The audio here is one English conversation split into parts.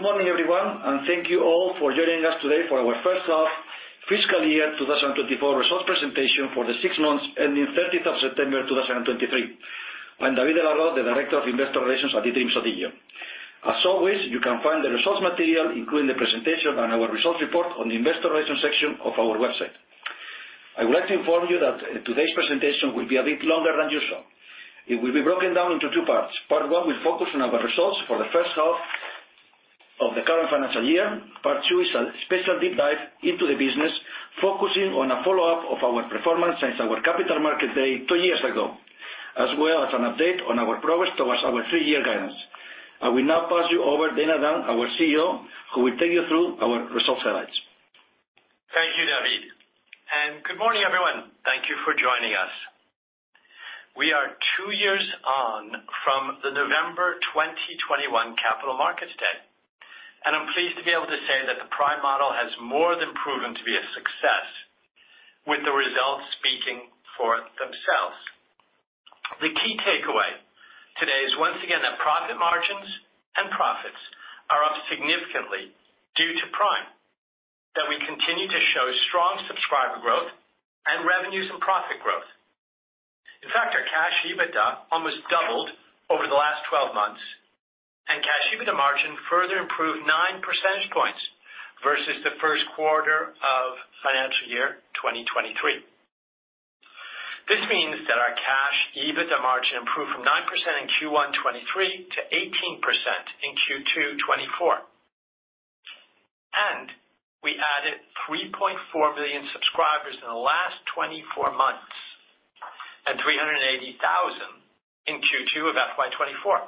Good morning, everyone, and thank you all for joining us today for our first half fiscal year 2024 results presentation for the six months ending 30th of September 2023. I'm David de la Roz, the Director of Investor Relations at eDreams. As always, you can find the results material, including the presentation and our results report on the investor relations section of our website. I would like to inform you that today's presentation will be a bit longer than usual. It will be broken down into two parts. Part one will focus on our results for the first half of the current financial year. Part two is a special deep dive into the business, focusing on a follow-up of our performance since our capital market day 2 years ago, as well as an update on our progress towards our 3-year guidance. I will now pass you over to Dana Dunne, our CEO, who will take you through our results highlights. Thank you, David, and good morning, everyone. Thank you for joining us. We are two years on from the November 2021 Capital Markets Day, and I'm pleased to be able to say that the Prime model has more than proven to be a success, with the results speaking for themselves. The key takeaway today is, once again, that profit margins and profits are up significantly due to Prime, that we continue to show strong subscriber growth and revenues and profit growth. In fact, our cash EBITDA almost doubled over the last 12 months, and cash EBITDA margin further improved 9 percentage points versus the first quarter of financial year 2023. This means that our cash EBITDA margin improved from 9% in Q1 2023 to 18% in Q2 2024. We added 3,400,000 subscribers in the last 24 months, and 380,000 in Q2 of FY 2024.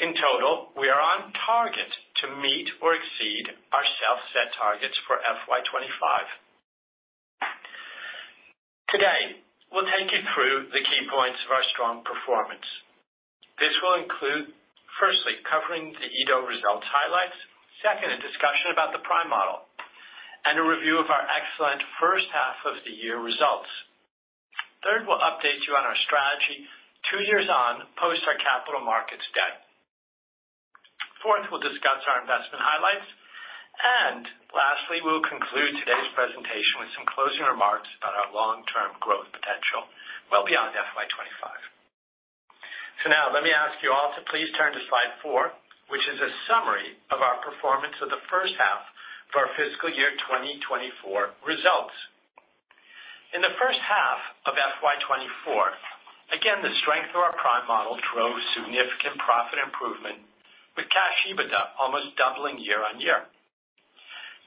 In total, we are on target to meet or exceed our self-set targets for FY 2025. Today, we'll take you through the key points of our strong performance. This will include, firstly, covering the eDO results highlights. Second, a discussion about the Prime model, and a review of our excellent first half of the year results. Third, we'll update you on our strategy 2 years on, post our Capital Markets Day. Fourth, we'll discuss our investment highlights, and lastly, we'll conclude today's presentation with some closing remarks about our long-term growth potential, well beyond FY 2025. Now let me ask you all to please turn to slide 4, which is a summary of our performance of the first half for our fiscal year 2024 results. In the first half of FY 2024, again, the strength of our Prime model drove significant profit improvement, with cash EBITDA almost doubling year-on-year.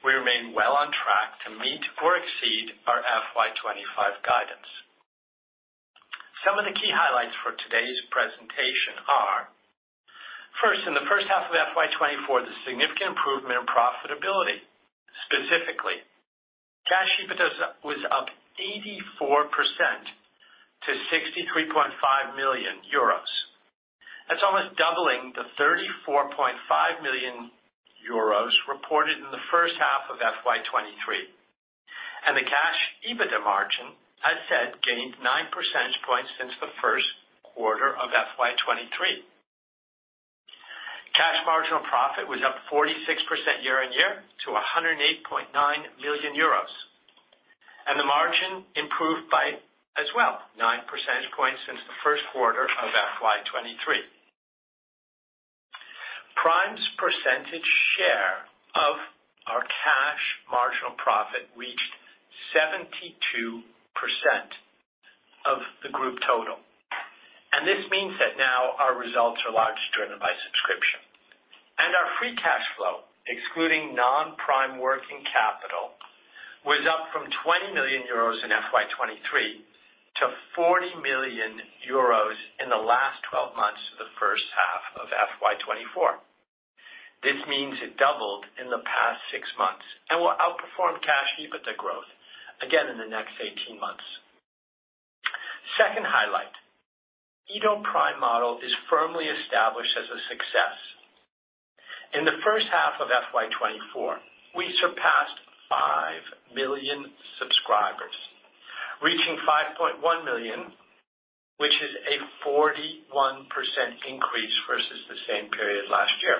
We remain well on track to meet or exceed our FY 2025 guidance. Some of the key highlights for today's presentation are: First, in the first half of FY 2024, the significant improvement in profitability. Specifically, cash EBITDA was up 84% to 63,500,000 euros. That's almost doubling the 34,500,000 euros reported in the first half of FY 2023. And the cash EBITDA margin, I said, gained 9 percentage points since the first quarter of FY 2023. Cash marginal profit was up 46% year-on-year to 108,900,000 euros, and the margin improved by, as well, 9 percentage points since the first quarter of FY 2023. Prime's percentage share of our cash marginal profit reached 72% of the group total. This means that now our results are largely driven by subscription. Our free cash flow, excluding non-Prime working capital, was up from 20,000,000 euros in FY 2023 to 40,000,000 euros in the last twelve months, the first half of FY 2024. This means it doubled in the past 6 months and will outperform cash EBITDA growth again in the next 18 months. Second highlight, eDO Prime model is firmly established as a success. In the first half of FY 2024, we surpassed 5,000,000 subscribers, reaching 5,100,000, which is a 41% increase versus the same period last year.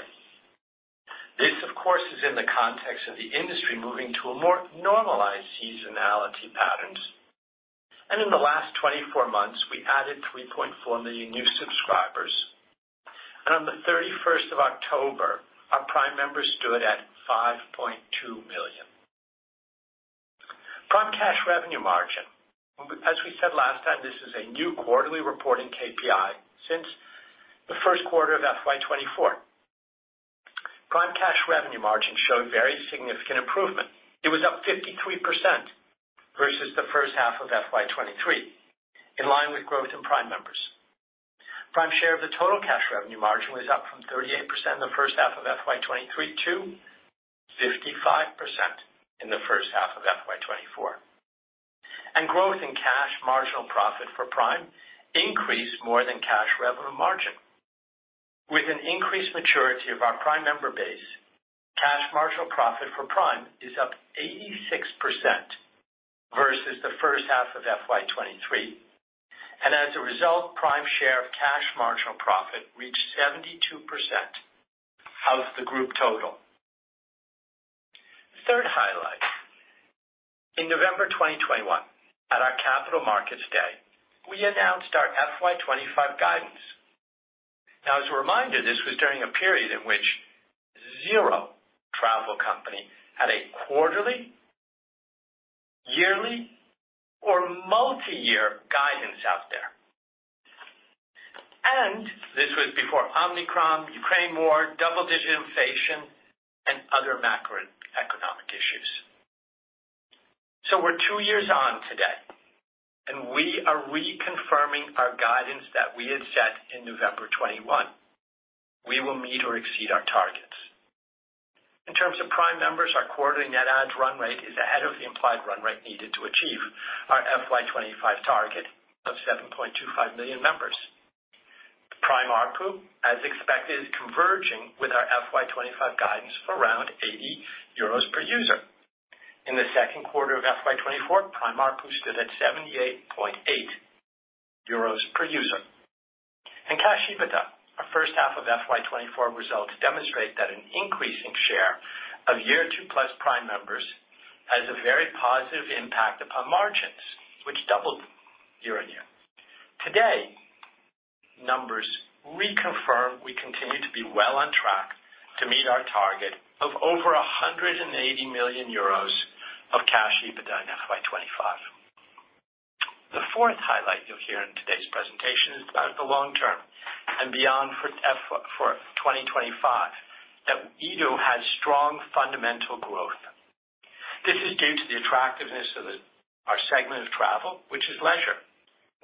This, of course, is in the context of the industry moving to a more normalized seasonality patterns. And in the last 24 months, we added 3,400,000 new subscribers. And on the 31st of October, our Prime members stood at 5,200,000. Prime cash revenue margin. As we said last time, this is a new quarterly reporting KPI since the first quarter of FY 2024. Prime cash revenue margin showed very significant improvement. It was up 53% versus the first half of FY 2023, in line with growth in Prime members. Prime share of the total cash revenue margin was up from 38% in the first half of FY 2023 to 55% in the first half of FY 2024. Growth in cash marginal profit for Prime increased more than cash revenue margin, with an increased maturity of our Prime member base. Marginal profit for Prime is up 86% versus the first half of FY 2023. And as a result, Prime share of cash marginal profit reached 72% of the group total. Third highlight, in November 2021, at our Capital Markets Day, we announced our FY 2025 guidance. Now, as a reminder, this was during a period in which zero travel company had a quarterly, yearly, or multi-year guidance out there. This was before Omicron, Ukraine war, double-digit inflation, and other macroeconomic issues. So we're 2 years on today, and we are reconfirming our guidance that we had set in November 2021. We will meet or exceed our targets. In terms of Prime members, our quarterly net add run rate is ahead of the implied run rate needed to achieve our FY 2025 target of 7,250,000 members. The Prime ARPU, as expected, is converging with our FY 2025 guidance of around 80 euros per user. In the second quarter of FY 2024, Prime ARPU stood at 78.8 euros per user. In cash EBITDA, our first half of FY 2024 results demonstrate that an increasing share of year 2+ Prime members has a very positive impact upon margins, which doubled year-on-year. Today, numbers reconfirm we continue to be well on track to meet our target of over 180,000,000 euros of cash EBITDA in FY 25. The fourth highlight you'll hear in today's presentation is about the long term and beyond for 2025, that eDO has strong fundamental growth. This is due to the attractiveness of the, our segment of travel, which is leisure.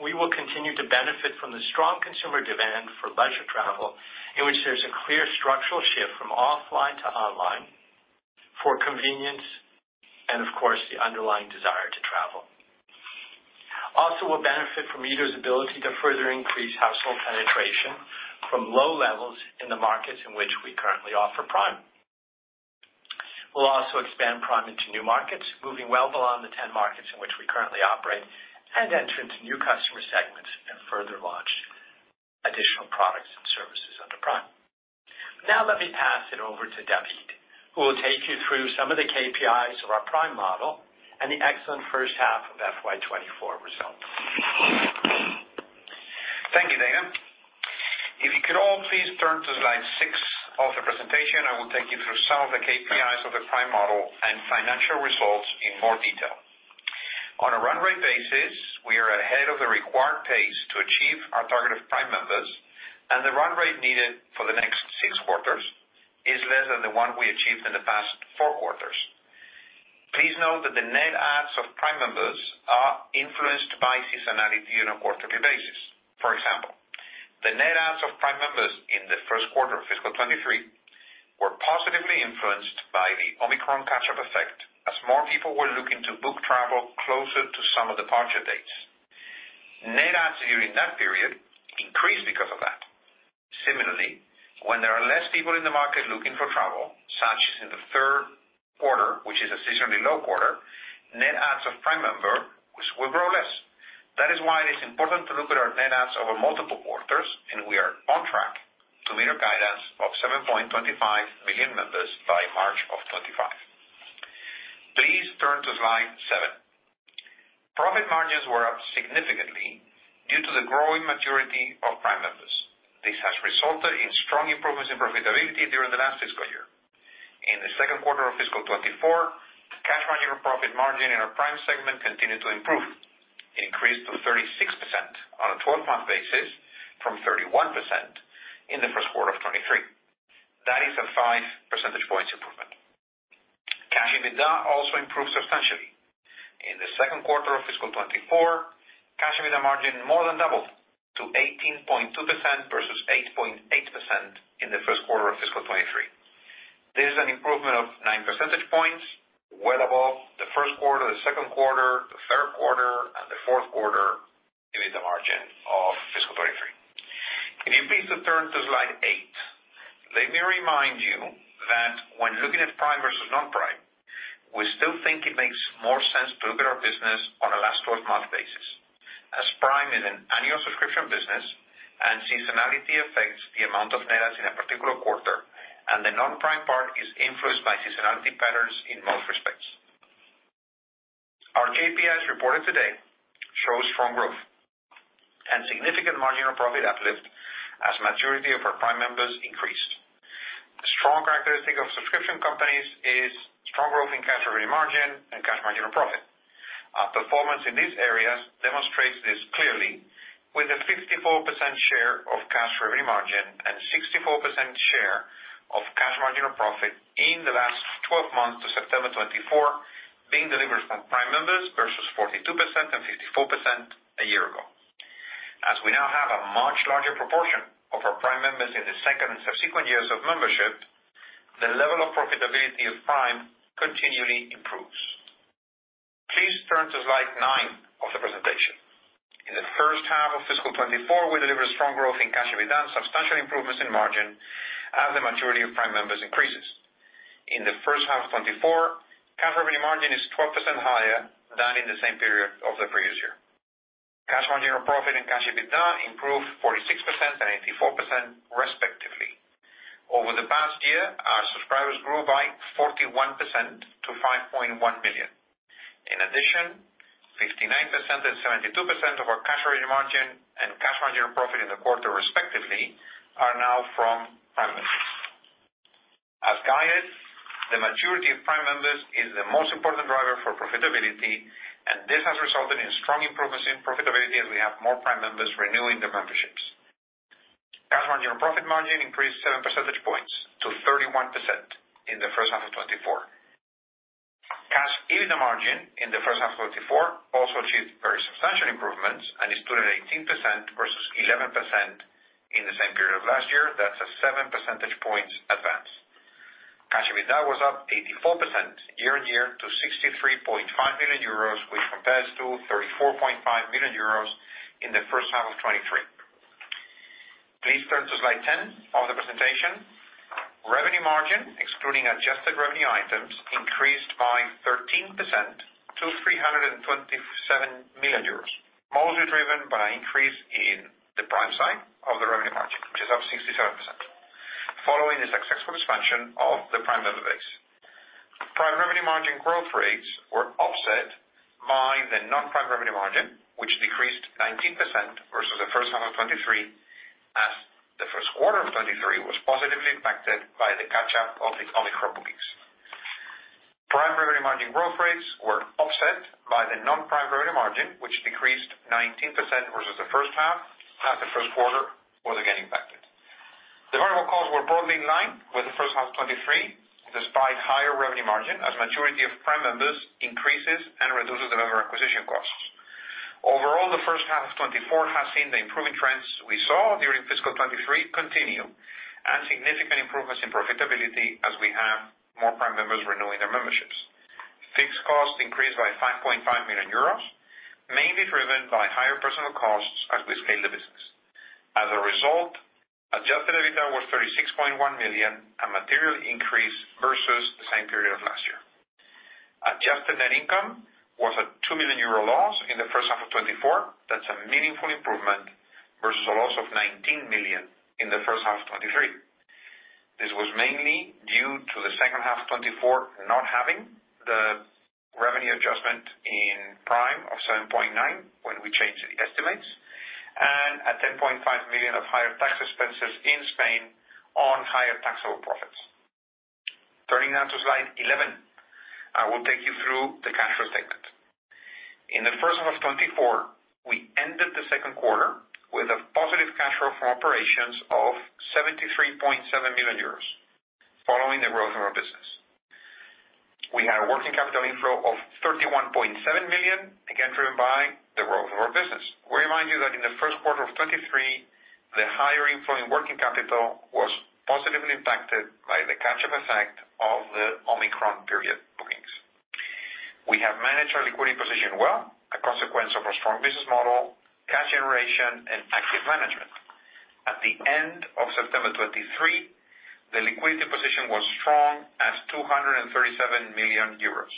We will continue to benefit from the strong consumer demand for leisure travel, in which there's a clear structural shift from offline to online, for convenience and of course, the underlying desire to travel. Also, we'll benefit from eDO's ability to further increase household penetration from low levels in the markets in which we currently offer Prime. We'll also expand Prime into new markets, moving well beyond the 10 markets in which we currently operate, and enter into new customer segments and further launch additional products and services under Prime. Now, let me pass it over to David, who will take you through some of the KPIs of our Prime model and the excellent first half of FY 2024 results. Thank you, Dana. If you could all please turn to slide 6 of the presentation, I will take you through some of the KPIs of the Prime model and financial results in more detail. On a run rate basis, we are ahead of the required pace to achieve our target of Prime members, and the run rate needed for the next 6 quarters is less than the one we achieved in the past 4 quarters. Please note that the net adds of Prime members are influenced by seasonality on a quarterly basis. For example, the net adds of Prime members in the first quarter of fiscal 2023 were positively influenced by the Omicron catch-up effect, as more people were looking to book travel closer to some of the departure dates. Net adds during that period increased because of that. Similarly, when there are less people in the market looking for travel, such as in the third quarter, which is a seasonally low quarter, net adds of Prime Member will grow less. That is why it is important to look at our net adds over multiple quarters, and we are on track to meet our guidance of 7,250,000 members by March 2025. Please turn to slide 7. Profit margins were up significantly due to the growing maturity of Prime members. This has resulted in strong improvements in profitability during the last fiscal year. In the second quarter of fiscal 2024, cash margin and profit margin in our Prime segment continued to improve, increased to 36% on a twelve-month basis from 31% in the first quarter of 2023. That is a 5 percentage points improvement. Cash EBITDA also improved substantially. In the second quarter of fiscal 2024, Cash EBITDA margin more than doubled to 18.2% versus 8.8% in the first quarter of fiscal 2023. This is an improvement of 9 percentage points, well above the first quarter, the second quarter, the third quarter, and the fourth quarter in the margin of fiscal 2023. Can you please turn to slide 8? Let me remind you that when looking at Prime versus non-Prime, we still think it makes more sense to look at our business on a last 12-month basis. As Prime is an annual subscription business and seasonality affects the amount of net adds in a particular quarter, and the non-Prime part is influenced by seasonality patterns in most respects. Our KPIs reported today show strong growth and significant marginal profit uplift as maturity of our Prime members increased. The strong characteristic of subscription companies is strong growth in cash revenue margin and cash marginal profit. Our performance in these areas demonstrates this clearly, with a 54% share of cash revenue margin and 64% share of cash marginal profit in the last twelve months to September 2024, being delivered from Prime members versus 42% and 54% a year ago. As we now have a much larger proportion of our Prime members in the second and subsequent years of membership, the level of profitability of Prime continually improves. Please turn to slide 9 of the presentation. In the first half of fiscal 2024, we delivered strong growth in cash EBITDA, substantial improvements in margin as the maturity of Prime members increases. In the first half of 2024, cash EBITDA margin is 12% higher than in the same period of the previous year. Cash margin or profit and cash EBITDA improved 46% and 84%, respectively. Over the past year, our subscribers grew by 41% to 5,100,000. In addition, 59% and 72% of our cash margin and cash margin profit in the quarter, respectively, are now from Prime members. As guided, the maturity of Prime members is the most important driver for profitability, and this has resulted in strong improvements in profitability as we have more Prime members renewing their memberships. Cash Marginal Profit margin increased seven percentage points to 31% in the first half of 2024. Cash EBITDA margin in the first half of 2024 also achieved very substantial improvements and is stood at 18% versus 11% in the same period of last year. That's a seven percentage points advance. Cash EBITDA was up 84% year-on-year to 63,500,000 euros, which compares to 34,500,000 euros in the first half of 2023. Please turn to slide 10 of the presentation. Revenue margin, excluding adjusted revenue items, increased by 13% to 327,000,000 euros, mostly driven by an increase in the Prime side of the revenue margin, which is up 67%, following the successful expansion of the Prime member base. Prime revenue margin growth rates were offset by the non-Prime revenue margin, which decreased 19% versus the first half of 2023, as the first quarter of 2023 was positively impacted by the catch-up of the Omicron bookings. Prime revenue margin growth rates were offset by the non-Prime revenue margin, which decreased 19% versus the first half, as the first quarter was again impacted. The variable costs were broadly in line with the first half of 2023, despite higher revenue margin, as majority of Prime members increases and reduces the member acquisition costs. Overall, the first half of 2024 has seen the improving trends we saw during fiscal 2023 continue, and significant improvements in profitability as we have more Prime members renewing their memberships. Fixed costs increased by 5,500,000 euros, mainly driven by higher personal costs as we scale the business. As a result, adjusted EBITDA was 36,100,000, a material increase versus the same period of last year. Adjusted net income was a 2,000,000 euro loss in the first half of 2024. That's a meaningful improvement versus a loss of 19,000,000 in the first half of 2023. This was mainly due to the second half of 2024 not having the revenue adjustment in Prime of 7,900,000 when we changed the estimates, and 10,500,000 of higher tax expenses in Spain on higher taxable profits. Turning now to slide 11, I will take you through the cash flow statement. In the first half of 2024, we ended the second quarter with a positive cash flow from operations of 73,700,000 euros, following the growth of our business. We had a working capital inflow of 31,700,000, again, driven by the growth of our business. We remind you that in the first quarter of 2023, the higher inflow in working capital was positively impacted by the catch-up effect of the Omicron period bookings. We have managed our liquidity position well, a consequence of our strong business model, cash generation, and active management. At the end of September 2023, the liquidity position was strong, at 237,000,000 euros.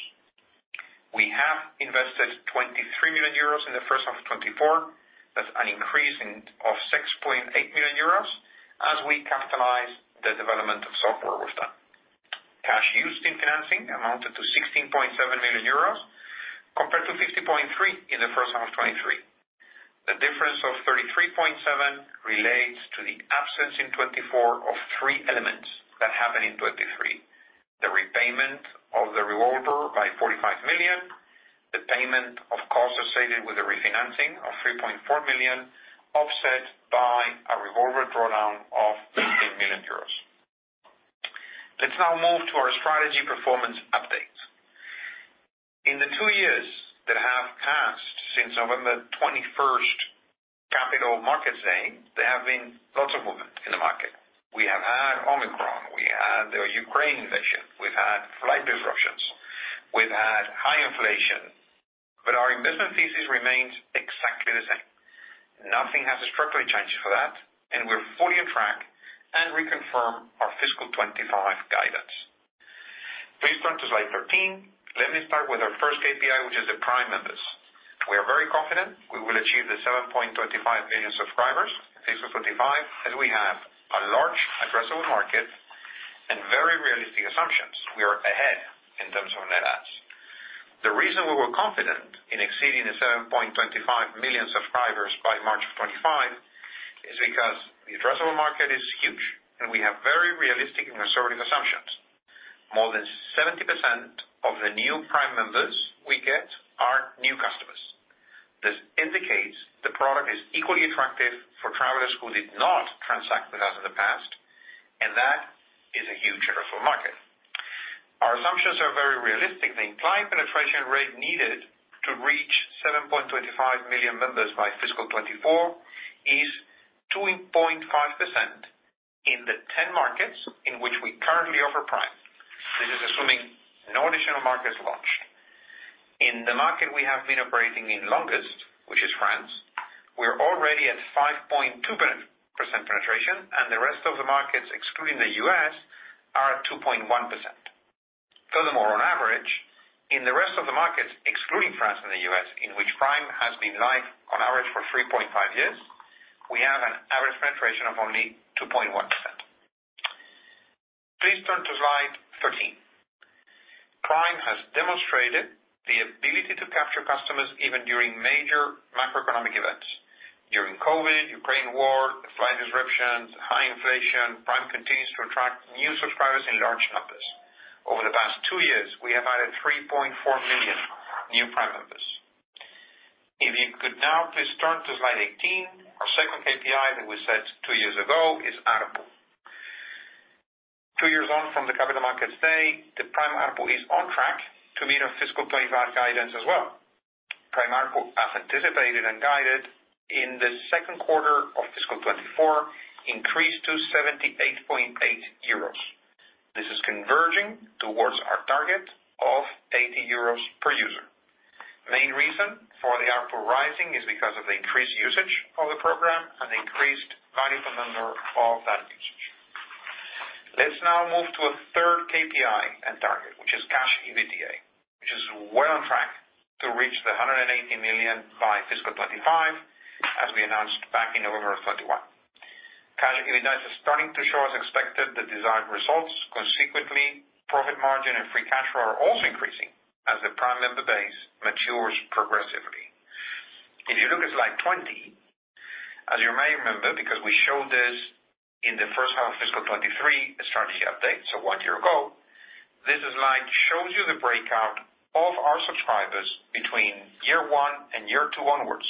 We have invested 23,000,000 euros in the first half of 2024. That's an increase of 6,800,000 euros as we capitalize the development of software we've done. Cash used in financing amounted to 16,700,000 euros, compared to 50,300,000 in the first half of 2023. The difference of 33,700,000 relates to the absence in 2024 of three elements that happened in 2023. The repayment of the revolver by 45,000,000, the payment of costs associated with the refinancing of 3,400,000, offset by a revolver drawdown of 18,000,000. Let's now move to our strategy performance update. In the 2 years that have passed since November 21 Capital Markets Day, there have been lots of movement in the market. We have had Omicron, we had the Ukraine invasion, we've had flight disruptions, we've had high inflation, but our investment thesis remains exactly the same. Nothing has structurally changed for that, and we're fully on track and reconfirm our fiscal 2025 guidance. Please turn to slide 13. Let me start with our first KPI, which is the Prime members. We are very confident we will achieve the 7,250,000 subscribers in fiscal 2025, as we have a large addressable market and very realistic assumptions. We are ahead in terms of net adds. The reason we were confident in exceeding the 7,250,000 subscribers by March of 2025, is because the addressable market is huge, and we have very realistic and conservative assumptions. More than 70% of the new Prime members we get are new customers. This indicates the product is equally attractive for travelers who did not transact with us in the past, and that is a huge addressable market. Our assumptions are very realistic. The implied penetration rate needed to reach 7,250,000 members by fiscal 2024 is 2.5%... in the 10 markets in which we currently offer Prime, this is assuming no additional markets launch. In the market we have been operating in longest, which is France, we're already at 5.2% penetration, and the rest of the markets, excluding the U.S., are at 2.1%. Furthermore, on average, in the rest of the markets, excluding France and the US, in which Prime has been live on average for 3.5 years, we have an average penetration of only 2.1%. Please turn to slide 13. Prime has demonstrated the ability to capture customers even during major macroeconomic events. During COVID, Ukraine war, flight disruptions, high inflation, Prime continues to attract new subscribers in large numbers. Over the past two years, we have added 3,400,000 new Prime members. If you could now please turn to slide 18, our second KPI that we set two years ago is ARPU. Two years on from the Capital Markets Day, the Prime ARPU is on track to meet our fiscal 2025 guidance as well. Prime ARPU, as anticipated and guided in the second quarter of fiscal 2024, increased to 78.8 euros. This is converging towards our target of 80 euros per user. Main reason for the ARPU rising is because of the increased usage of the program and increased value per member of that usage. Let's now move to a third KPI and target, which is cash EBITDA, which is well on track to reach 180,000,000 by fiscal 2025, as we announced back in November of 2021. Cash EBITDA is starting to show as expected, the desired results. Consequently, profit margin and free cash flow are also increasing as the Prime member base matures progressively. If you look at slide 20, as you may remember, because we showed this in the first half of fiscal 2023 strategy update, so one year ago, this slide shows you the breakout of our subscribers between year one and year two onwards,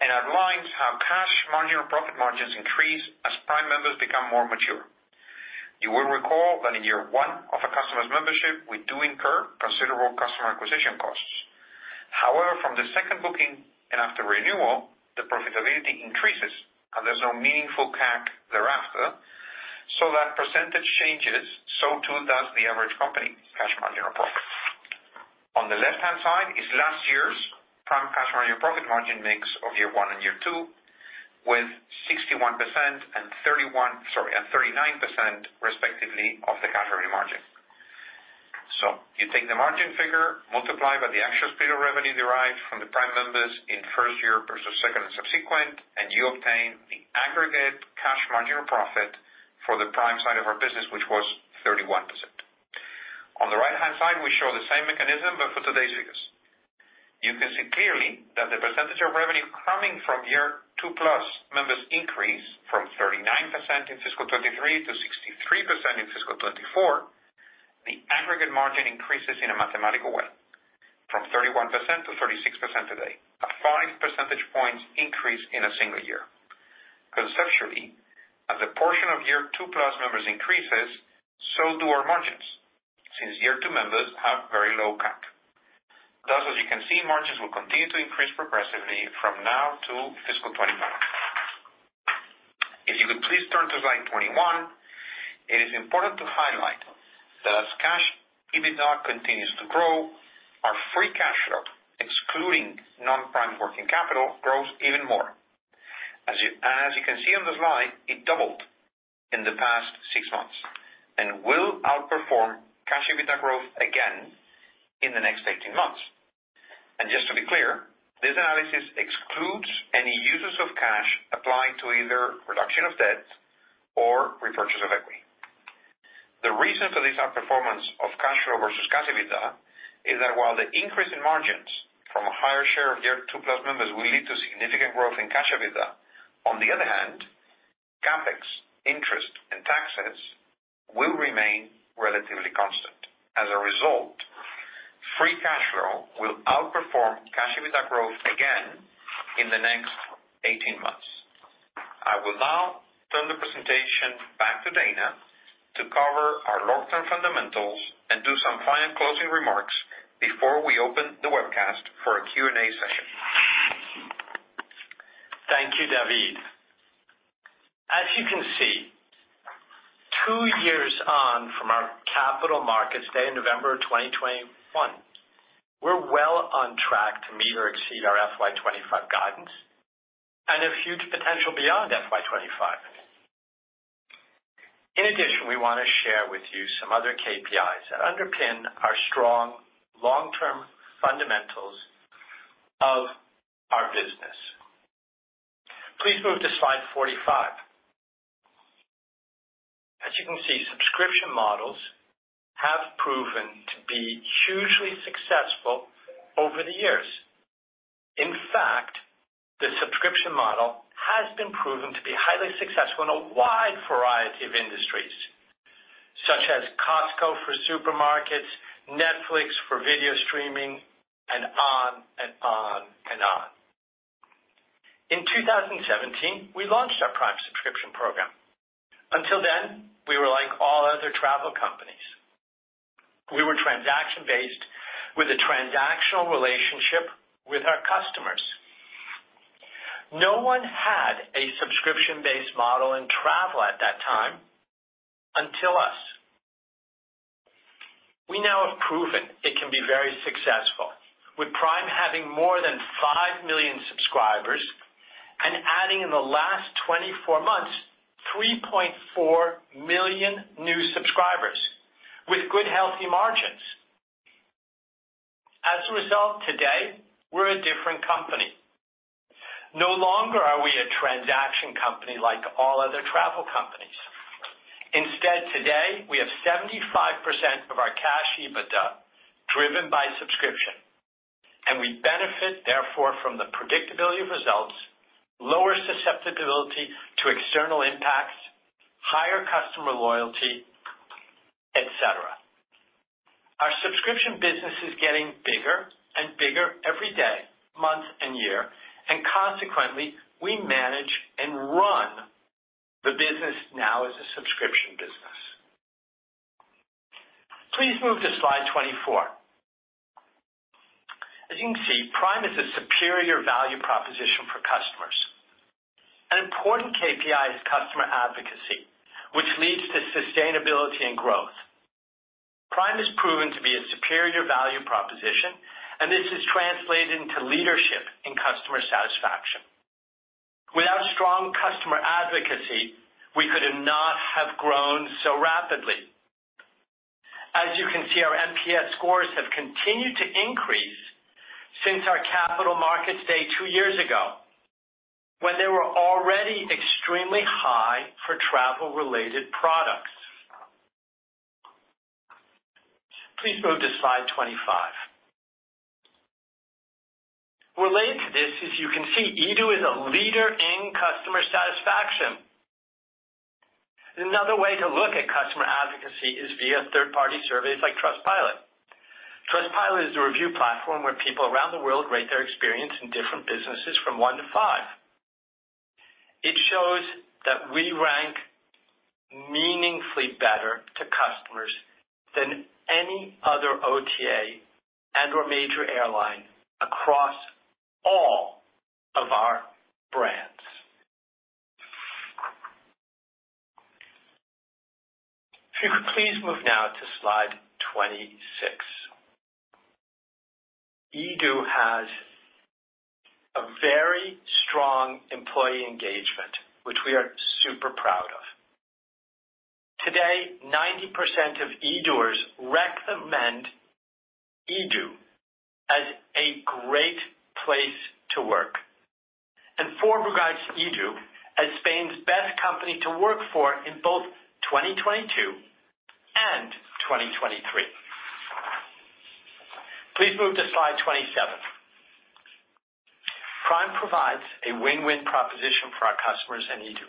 and outlines how Cash Marginal Profit margins increase as Prime members become more mature. You will recall that in year one of a customer's membership, we do incur considerable customer acquisition costs. However, from the second booking and after renewal, the profitability increases, and there's no meaningful CAC thereafter, so that percentage changes, so too does the average company Cash Marginal Profit. On the left-hand side is last year's Prime Cash Marginal Profit margin mix of year one and year two, with 61% and 31%, sorry, and 39%, respectively, of the cash margin profit. So you take the margin figure, multiply by the actual period of revenue derived from the Prime members in first year versus second and subsequent, and you obtain the aggregate Cash Marginal Profit for the Prime side of our business, which was 31%. On the right-hand side, we show the same mechanism, but for today's figures. You can see clearly that the percentage of revenue coming from year 2+ members increased from 39% in fiscal 2023 to 63% in fiscal 2024. The aggregate margin increases in a mathematical way, from 31% to 36% today, a 5 percentage points increase in a single year. Conceptually, as the portion of year 2+ members increases, so do our margins, since year 2 members have very low CAC. Thus, as you can see, margins will continue to increase progressively from now to fiscal 2025. If you could please turn to slide 21. It is important to highlight that as cash EBITDA continues to grow, our free cash flow, excluding non-Prime working capital, grows even more. As you, as you can see on the slide, it doubled in the past six months and will outperform cash EBITDA growth again in the next 18 months. And just to be clear, this analysis excludes any uses of cash applying to either reduction of debt or repurchase of equity. The reason for this outperformance of cash flow versus cash EBITDA is that while the increase in margins from a higher share of year 2-plus members will lead to significant growth in cash EBITDA, on the other hand, CapEx, interest, and taxes will remain relatively constant. As a result, free cash flow will outperform cash EBITDA growth again in the next 18 months. I will now turn the presentation back to Dana to cover our long-term fundamentals and do some final closing remarks before we open the webcast for a Q&A session. Thank you, David. As you can see, two years on from our Capital Markets Day in November of 2021, we're well on track to meet or exceed our FY 25 guidance and have huge potential beyond FY 25. In addition, we want to share with you some other KPIs that underpin our strong long-term fundamentals of our business. Please move to slide 45. As you can see, subscription models have proven to be hugely successful over the years. In fact, the subscription model has been proven to be highly successful in a wide variety of industries, such as Costco for supermarkets, Netflix for video streaming, and on and on and on. In 2017, we launched our Prime subscription program. Until then, we were transaction based with a transactional relationship with our customers. No one had a subscription-based model in travel at that time, until us. We now have proven it can be very successful, with Prime having more than 5,000,000 subscribers and adding in the last 24 months, 3,400,000 new subscribers with good, healthy margins. As a result, today, we're a different company. No longer are we a transaction company like all other travel companies. Instead, today, we have 75% of our cash EBITDA driven by subscription, and we benefit therefore from the predictability of results, lower susceptibility to external impacts, higher customer loyalty, et cetera. Our subscription business is getting bigger and bigger every day, month, and year, and consequently, we manage and run the business now as a subscription business. Please move to slide 24. As you can see, Prime is a superior value proposition for customers. An important KPI is customer advocacy, which leads to sustainability and growth. Prime is proven to be a superior value proposition, and this has translated into leadership in customer satisfaction. Without strong customer advocacy, we could not have grown so rapidly. As you can see, our NPS scores have continued to increase since our capital markets day two years ago, when they were already extremely high for travel-related products. Please move to slide 25. Related to this, as you can see, eDO is a leader in customer satisfaction. Another way to look at customer advocacy is via third-party surveys like Trustpilot. Trustpilot is a review platform where people around the world rate their experience in different businesses from one to five. It shows that we rank meaningfully better to customers than any other OTA and or major airline across all of our brands. If you could please move now to slide 26. eDO has a very strong employee engagement, which we are super proud of. Today, 90% of eDOs recommend eDO as a great place to work. Forbes regards eDO as Spain's best company to work for in both 2022 and 2023. Please move to slide 27. Prime provides a win-win proposition for our customers and eDO.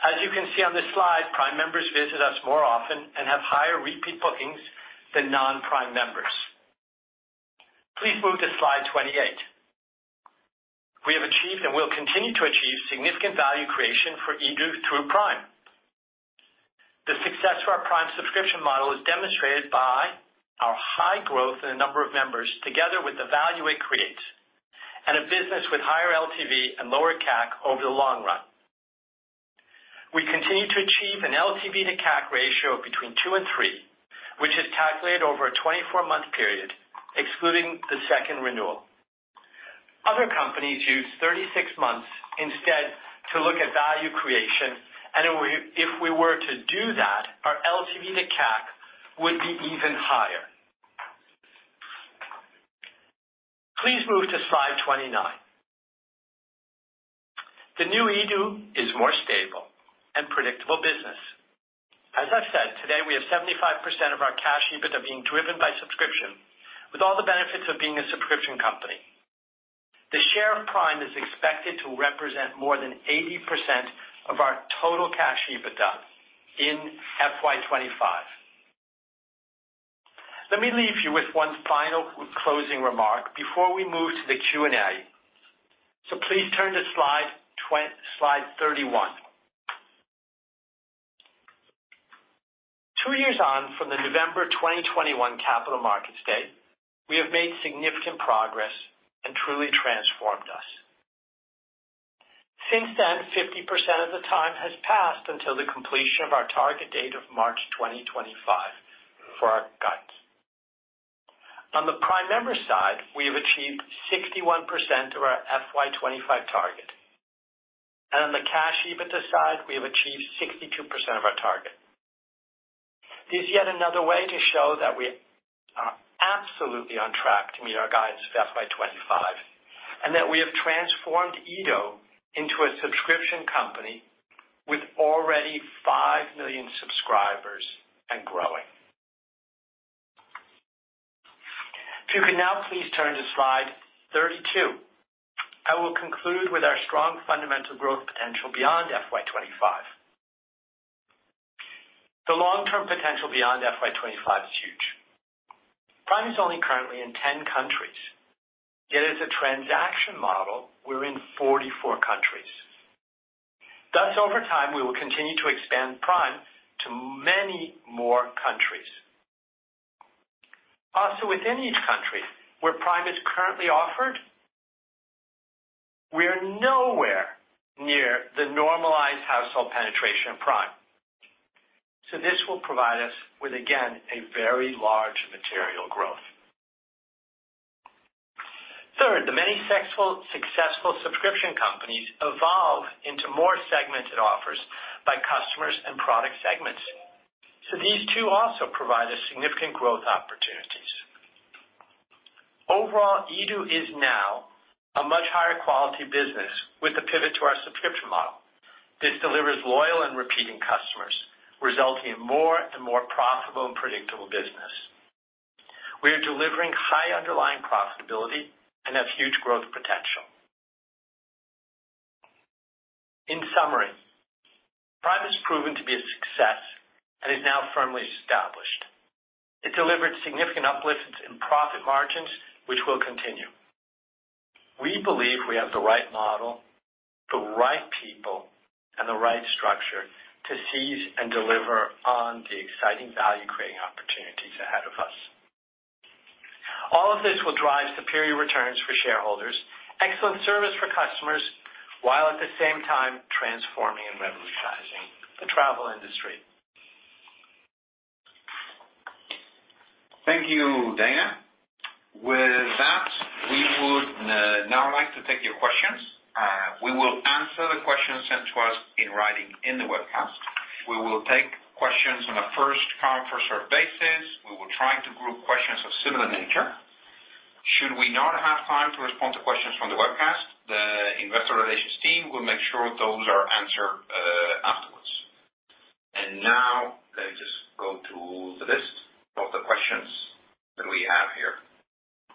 As you can see on this slide, Prime members visit us more often and have higher repeat bookings than non-Prime members. Please move to slide 28. We have achieved and will continue to achieve significant value creation for eDO through Prime. The success for our Prime subscription model is demonstrated by our high growth in the number of members, together with the value it creates, and a business with higher LTV and lower CAC over the long run. We continue to achieve an LTV to CAC ratio of between 2 and 3, which is calculated over a 24-month period, excluding the second renewal. Other companies use 36 months instead to look at value creation, and if we, if we were to do that, our LTV to CAC would be even higher. Please move to slide 29. The new eDO is more stable and predictable business. As I've said, today, we have 75% of our cash EBITDA being driven by subscription, with all the benefits of being a subscription company. The share of Prime is expected to represent more than 80% of our total cash EBITDA in FY 2025. Let me leave you with one final closing remark before we move to the Q&A. Please turn to slide 31. 2 years on from the November 2021 capital markets day, we have made significant progress and truly transformed us. Since then, 50% of the time has passed until the completion of our target date of March 2025 for our guidance. On the Prime member side, we have achieved 61% of our FY 2025 target, and on the cash EBITDA side, we have achieved 62% of our target. This is yet another way to show that we are absolutely on track to meet our guidance for FY 2025, and that we have transformed eDO into a subscription company with already 5,000,000 subscribers and growing. If you can now please turn to slide 32, I will conclude with our strong fundamental growth potential beyond FY 2025. The long-term potential beyond FY 2025 is huge. Prime is only currently in 10 countries, yet as a transaction model, we're in 44 countries. Thus, over time, we will continue to expand Prime to many more countries. Also, within each country where Prime is currently offered, we are nowhere near the normalized household penetration of Prime. So this will provide us with, again, a very large material growth. Third, the many successful subscription companies evolve into more segmented offers by customers and product segments. So these two also provide us significant growth opportunities. Overall, eDO is now a much higher quality business with the pivot to our subscription model. This delivers loyal and repeating customers, resulting in more and more profitable and predictable business. We are delivering high underlying profitability and have huge growth potential. In summary, Prime has proven to be a success and is now firmly established. It delivered significant uplifts in profit margins, which will continue. We believe we have the right model, the right people, and the right structure to seize and deliver on the exciting value-creating opportunities ahead of us. All of this will drive superior returns for shareholders, excellent service for customers, while at the same time transforming and revolutionizing the travel industry. Thank you, Dana. With that, we would now like to take your questions. We will answer the questions sent to us in writing in the webcast. We will take questions on a first-come, first-serve basis. We will try to group questions of similar nature. Should we not have time to respond to questions from the webcast, the investor relations team will make sure those are answered afterwards. Now let me just go to the list of the questions that we have here.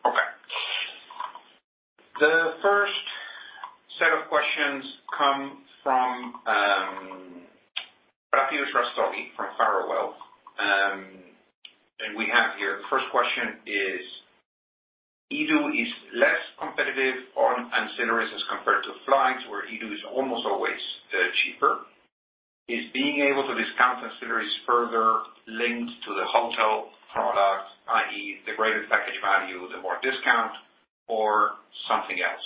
Okay. The first set of questions come from Rishabh Rastogi from Barclays. And we have here, first question is: eDO is less competitive on ancillaries as compared to flights, where eDO is almost always cheaper. Is being able to discount ancillaries further linked to the hotel product, i.e., the greater package value, the more discount or something else?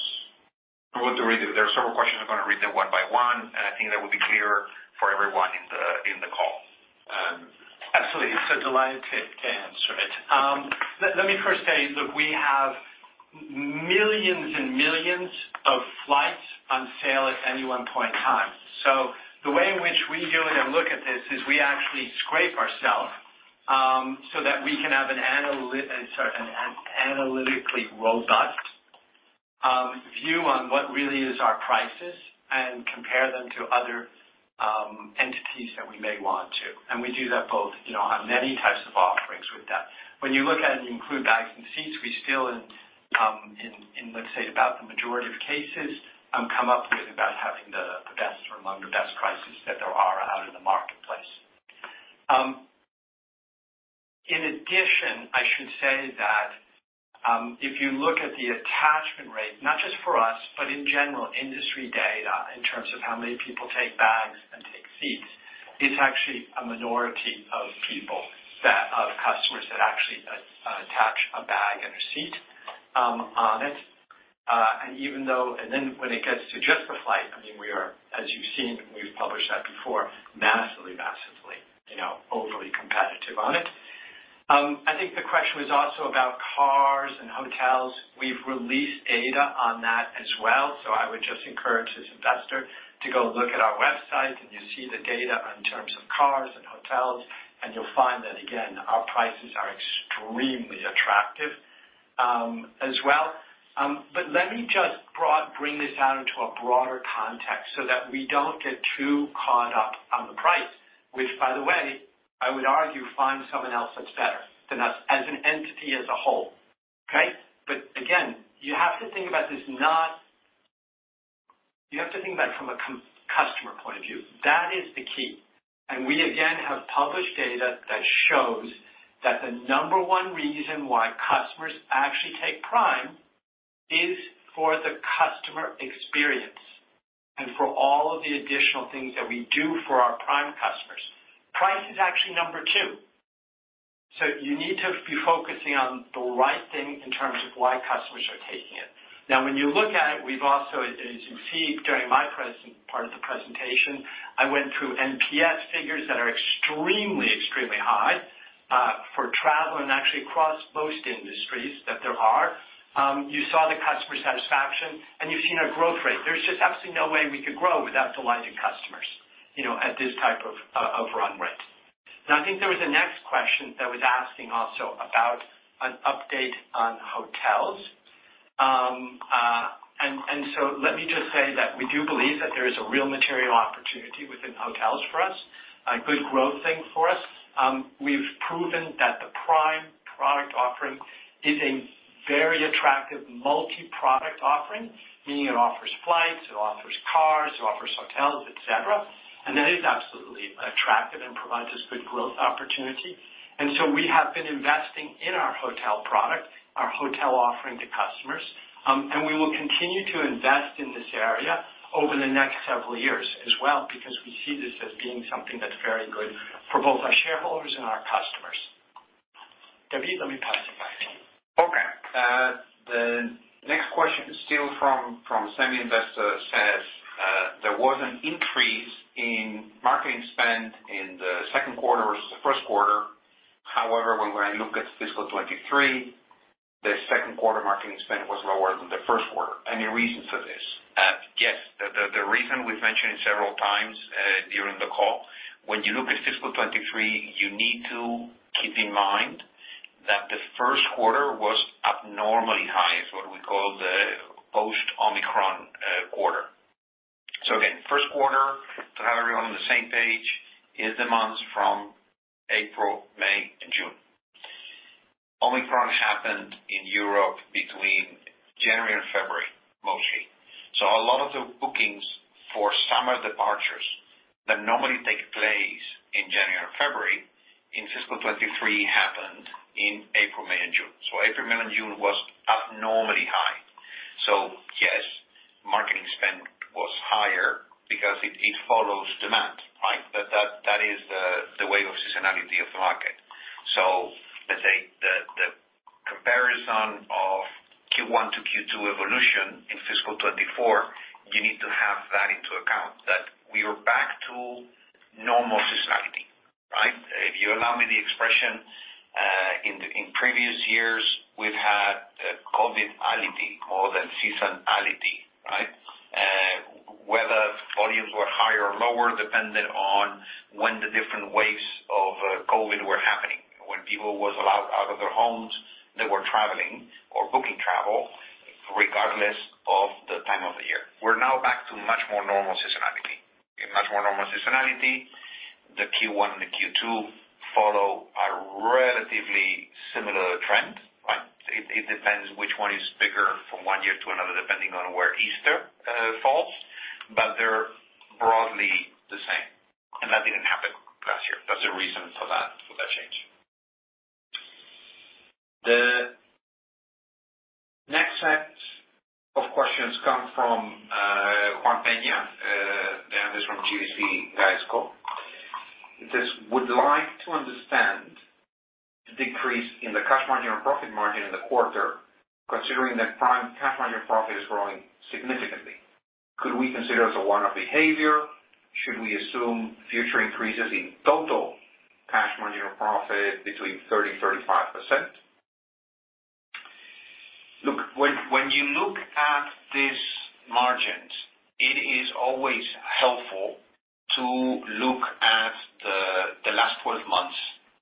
I'm going to read it. There are several questions. I'm gonna read them one by one, and I think that will be clear for everyone in the call. Absolutely. So delighted to answer it. Let me first tell you, look, we have millions and millions of flights on sale at any one point in time. So the way in which we do it and look at this is we actually scrape ourselves so that we can have an analytically robust view on what really is our prices and compare them to other entities that we may want to. And we do that both, you know, on many types of offerings with that. When you look at the included bags and seats, we still in, let's say, about the majority of cases, come up with about having the best or among the best prices that there are out in the marketplace. In addition, I should say that if you look at the attachment rate, not just for us, but in general, industry data, in terms of how many people take bags and take seats, it's actually a minority of people that, of customers that actually attach a bag and a seat on it. And then when it gets to just the flight, I mean, we are, as you've seen, we've published that before, massively, massively, you know, overly competitive on it. I think the question was also about cars and hotels. We've released data on that as well, so I would just encourage this investor to go look at our website, and you see the data in terms of cars and hotels, and you'll find that, again, our prices are extremely attractive, as well. But let me just bring this out into a broader context so that we don't get too caught up on the price, which, by the way, I would argue, find someone else that's better than us as an entity, as a whole. Okay? But again, you have to think about this, you have to think about it from a customer point of view. That is the key, and we again, have published data that shows that the number one reason why customers actually take Prime is for the customer experience and for all of the additional things that we do for our Prime customers. Price is actually number two. So you need to be focusing on the right thing in terms of why customers are taking it. Now, when you look at it, we've also, as you see during my presentation, part of the presentation, I went through NPS figures that are extremely, extremely high, for travel and actually across most industries that there are. You saw the customer satisfaction, and you've seen our growth rate. There's just absolutely no way we could grow without delighted customers, you know, at this type of, of run rate. Now, I think there was a next question that was asking also about an update on hotels. And so let me just say that we do believe that there is a real material opportunity within hotels for us, a good growth thing for us. We've proven that the Prime product offering is a very attractive multi-product offering, meaning it offers flights, it offers cars, it offers hotels, et cetera, and that is absolutely attractive and provides us good growth opportunity. And so we have been investing in our hotel product, our hotel offering to customers.... continue to invest in this area over the next several years as well, because we see this as being something that's very good for both our shareholders and our customers. David, let me pass it back to you. Okay, the next question is still from, from the same investor, says, there was an increase in marketing spend in the second quarter versus the first quarter. However, when we look at fiscal 2023, the second quarter marketing spend was lower than the first quarter. Any reason for this? Yes. The reason we've mentioned several times, during the call, when you look at fiscal 2023, you need to keep in mind that the first quarter was abnormally high. It's what we call the post Omicron, quarter. So again, first quarter, to have everyone on the same page, is the months from April, May, and June. Omicron happened in Europe between January and February, mostly. So a lot of the bookings for summer departures that normally take place in January and February, in fiscal 2023, happened in April, May, and June. So April, May, and June was abnormally high. So yes, marketing spend was higher because it follows demand, right? That is the way of seasonality of the market. So let's say, the comparison of Q1 to Q2 evolution in fiscal 2024, you need to have that into account, that we are back to normal seasonality, right? If you allow me the expression, in previous years, we've had a Covidality more than seasonality, right? Whether volumes were higher or lower, depended on when the different waves of COVID were happening. When people was allowed out of their homes, they were traveling or booking travel, regardless of the time of the year. We're now back to much more normal seasonality. In much more normal seasonality, the Q1 and the Q2 follow a relatively similar trend, right? It depends which one is bigger from one year to another, depending on where Easter falls, but they're broadly the same. And that didn't happen last year. There's a reason for that, for that change. The next set of questions come from Juan Peña and is from GVC Gaesco. It says, would like to understand the decrease in the cash margin and profit margin in the quarter, considering that Prime cash margin profit is growing significantly. Could we consider it a one-off behavior? Should we assume future increases in total Cash Marginal Profit between 30%-35%? Look, when, when you look at these margins, it is always helpful to look at the, the last twelve months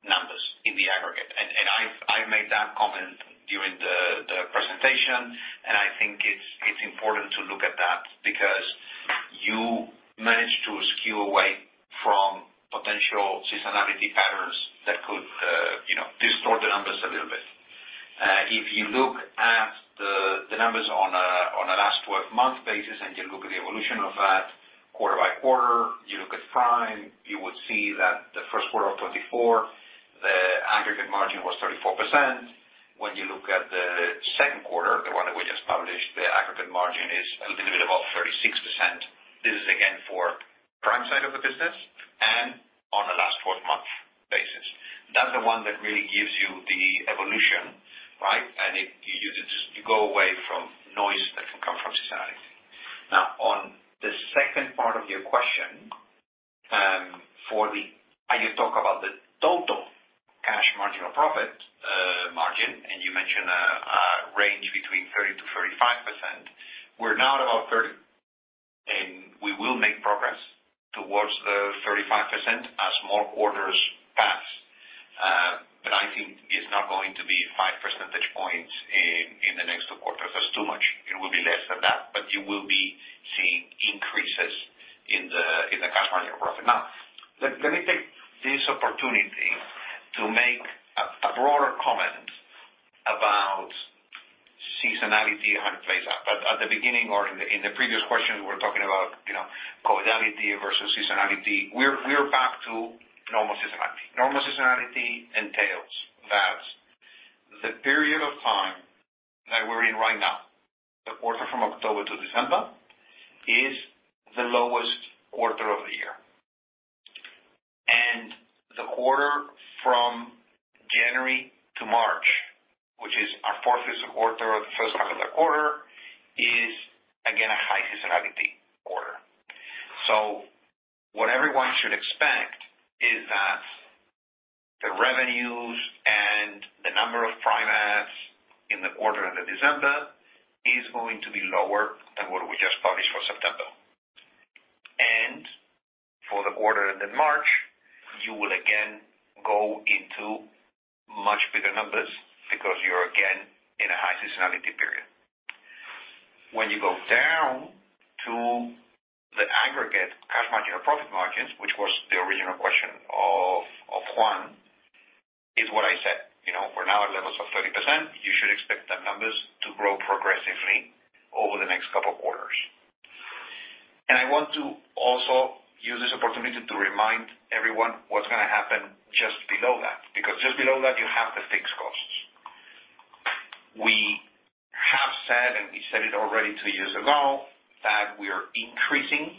numbers in the aggregate. And, and I've, I made that comment during the, the presentation, and I think it's, it's important to look at that because you manage to skew away from potential seasonality patterns that could, you know, distort the numbers a little bit. If you look at the, the numbers on a, on a last twelve-month basis, and you look at the evolution of that quarter by quarter, you look at Prime, you would see that the first quarter of 2024, the aggregate margin was 34%. When you look at the second quarter, the one that we just published, the aggregate margin is a little bit above 36%. This is again for Prime side of the business and on a last twelve-month basis. That's the one that really gives you the evolution, right? And you just go away from noise that can come from seasonality. Now, on the second part of your question, for the- as you talk about the total cash marginal profit margin, and you mentioned a range between 30%-35%. We're now at about 30, and we will make progress towards the 35% as more quarters pass. But I think it's not going to be five percentage points in the next two quarters. That's too much. It will be less than that, but you will be seeing increases in the cash marginal profit. Now, let me take this opportunity to make a broader comment about seasonality and how it plays out. But at the beginning or in the previous question, we're talking about, you know, Covidality versus seasonality. We're back to normal seasonality. Normal seasonality entails that the period of time that we're in right now, the quarter from October to December, is the lowest quarter of the year. And the quarter from January to March, which is our fourth fiscal quarter, or the first half of the quarter, is again, a high seasonality quarter. So what everyone should expect is that the revenues and the number of Prime adds in the quarter of the December, is going to be lower than what we just published for September. And for the quarter end of March, you will again go into much bigger numbers because you're again in a high seasonality period. When you go down to the aggregate cash marginal profit margins, which was the original question of Juan, is what I said. You know, we're now at levels of 30%. You should expect the numbers to grow progressively over the next couple-... And I want to also use this opportunity to remind everyone what's gonna happen just below that, because just below that, you have the fixed costs. We have said, and we said it already two years ago, that we are increasing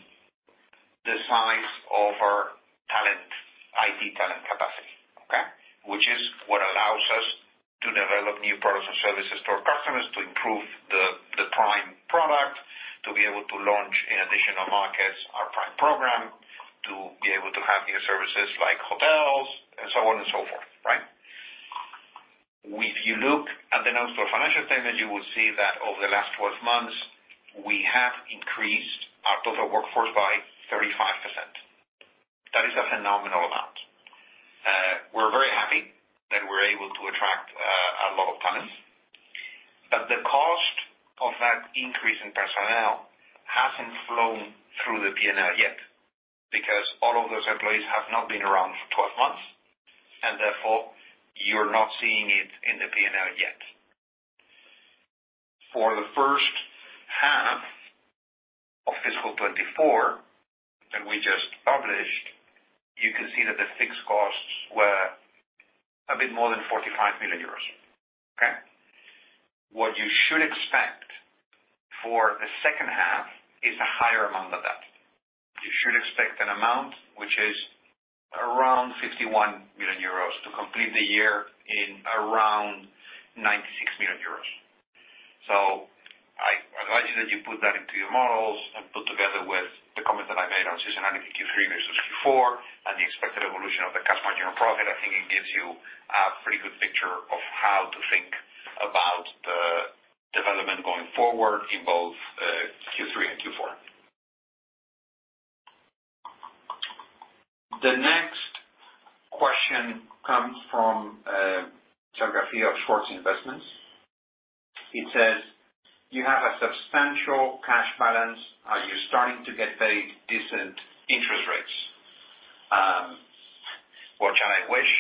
the size of our talent, IT talent capacity, okay? Which is what allows us to develop new products and services to our customers, to improve the Prime product, to be able to launch in additional markets our Prime program, to be able to have new services like hotels and so on and so forth, right? If you look at the notes for financial statement, you will see that over the last 12 months, we have increased our total workforce by 35%. That is a phenomenal amount. We're very happy that we're able to attract a lot of talents. But the cost of that increase in personnel hasn't flown through the P&L yet, because all of those employees have not been around for 12 months, and therefore, you're not seeing it in the P&L yet. For the first half of fiscal 2024, that we just published, you can see that the fixed costs were a bit more than 45,000,000 euros. Okay? What you should expect for the second half is a higher amount than that. You should expect an amount which is around 51,000,000 euros to complete the year in around 96,000,000 euros. So I advise you that you put that into your models and put together with the comments that I made on seasonality Q3 versus Q4, and the expected evolution of the customer annual profit. I think it gives you a pretty good picture of how to think about the development going forward in both, Q3 and Q4. The next question comes from Geoffroy of Schwartz Investments. It says, "You have a substantial cash balance. Are you starting to get very decent interest rates? Which I wish.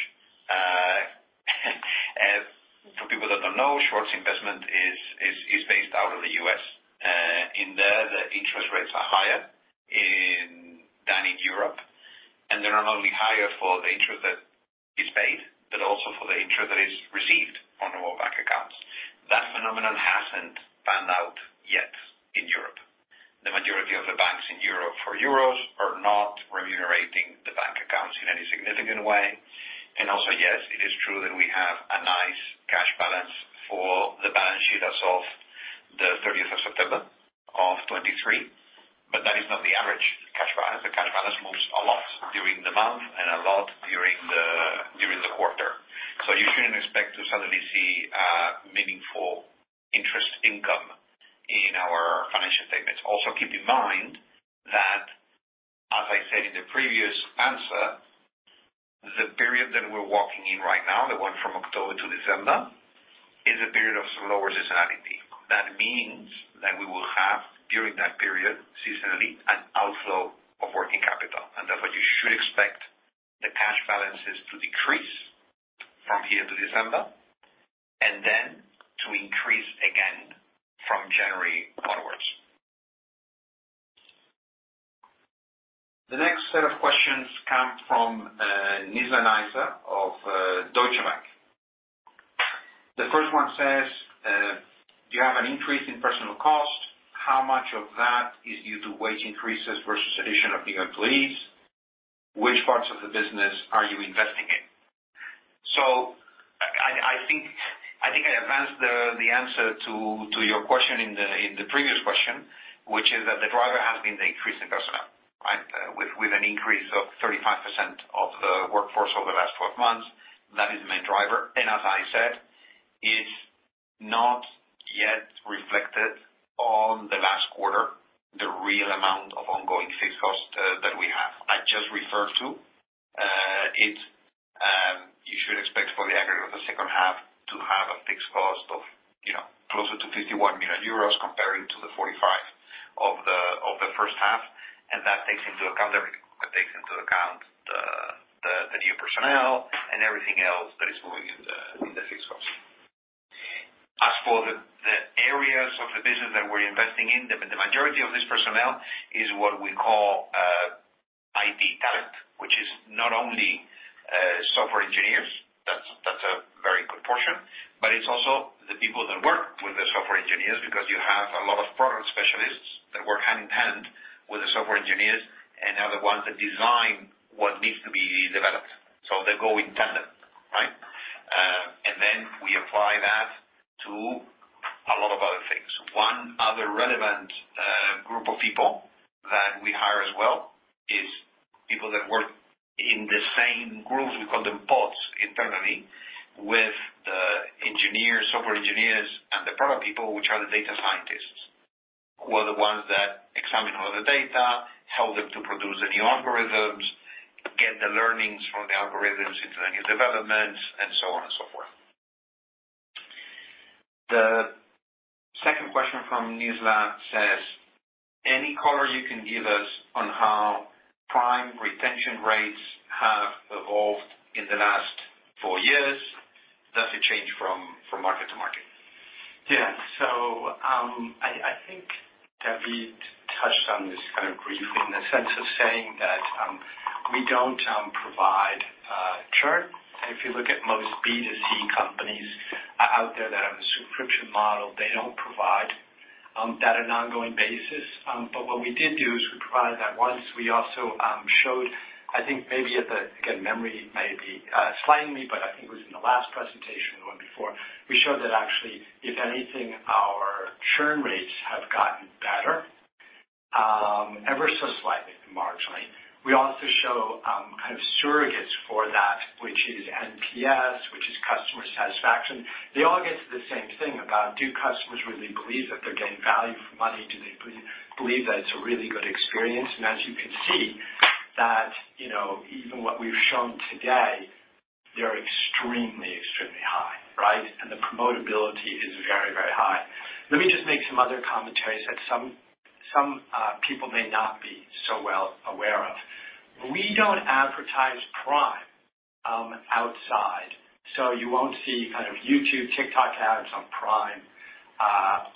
For people that don't know, Schwartz Investments is based out of the U.S. In there, the interest rates are higher than in Europe, and they're not only higher for the interest that is paid, but also for the interest that is received on our bank accounts. That phenomenon hasn't panned out yet in Europe. The majority of the banks in Europe for euros are not remunerating the bank accounts in any significant way. And also, yes, it is true that we have a nice cash balance for the balance sheet as of the thirtieth of September of 2023, but that is not the average cash balance. The cash balance moves a lot during the month and a lot during the quarter. So you shouldn't expect to suddenly see a meaningful interest income in our financial statements. Also, keep in mind that, as I said in the previous answer, the period that we're working in right now, the one from October to December, is a period of slower seasonality. That means that we will have, during that period, seasonally, an outflow of working capital, and therefore, you should expect the cash balances to decrease from here to December, and then to increase again from January onwards. The next set of questions come from Nizla Naizer of Deutsche Bank. The first one says, "You have an increase in personnel cost. How much of that is due to wage increases versus addition of new employees? Which parts of the business are you investing in?" So I think I advanced the answer to your question in the previous question, which is that the driver has been the increase in personnel, right? With an increase of 35% of the workforce over the last twelve months, that is the main driver. As I said, it's not yet reflected on the last quarter, the real amount of ongoing fixed cost that we have. I just referred to it. You should expect for the aggregate of the second half to have a fixed cost of, you know, closer to 51,000,000 euros comparing to the 45 of the first half, and that takes into account the new personnel and everything else that is moving in the fixed cost. As for the areas of the business that we're investing in, the majority of this personnel is what we call IT talent, which is not only software engineers, that's a very good portion, but it's also the people that work with the software engineers, because you have a lot of product specialists that work hand-in-hand with the software engineers and are the ones that design what needs to be developed. So they go in tandem, right? And then we apply that to a lot of other things. One other relevant group of people that we hire as well is people that work in the same groups, we call them pods internally, with the engineers, software engineers, and the product people, which are the data scientists, who are the ones that examine all the data, help them to produce the new algorithms, get the learnings from the algorithms into the new developments, and so on and so forth. The second question from Nizla says, "Any color you can give us on how-... retention rates have evolved in the last four years? Does it change from market to market? Yeah. So, I think David touched on this kind of briefly, in the sense of saying that we don't provide churn. If you look at most B2C companies out there that have a subscription model, they don't provide that on an ongoing basis. But what we did do is we provided that once. We also showed, I think maybe at the... Again, memory may be slightly, but I think it was in the last presentation or the one before, we showed that actually, if anything, our churn rates have gotten better ever so slightly, marginally. We also show kind of surrogates for that, which is NPS, which is customer satisfaction. They all get to the same thing about, do customers really believe that they're getting value for money? Do they believe that it's a really good experience? And as you can see, that, you know, even what we've shown today, they're extremely, extremely high, right? And the promotability is very, very high. Let me just make some other commentaries that some people may not be so well aware of. We don't advertise Prime outside. So you won't see kind of YouTube, TikTok ads on Prime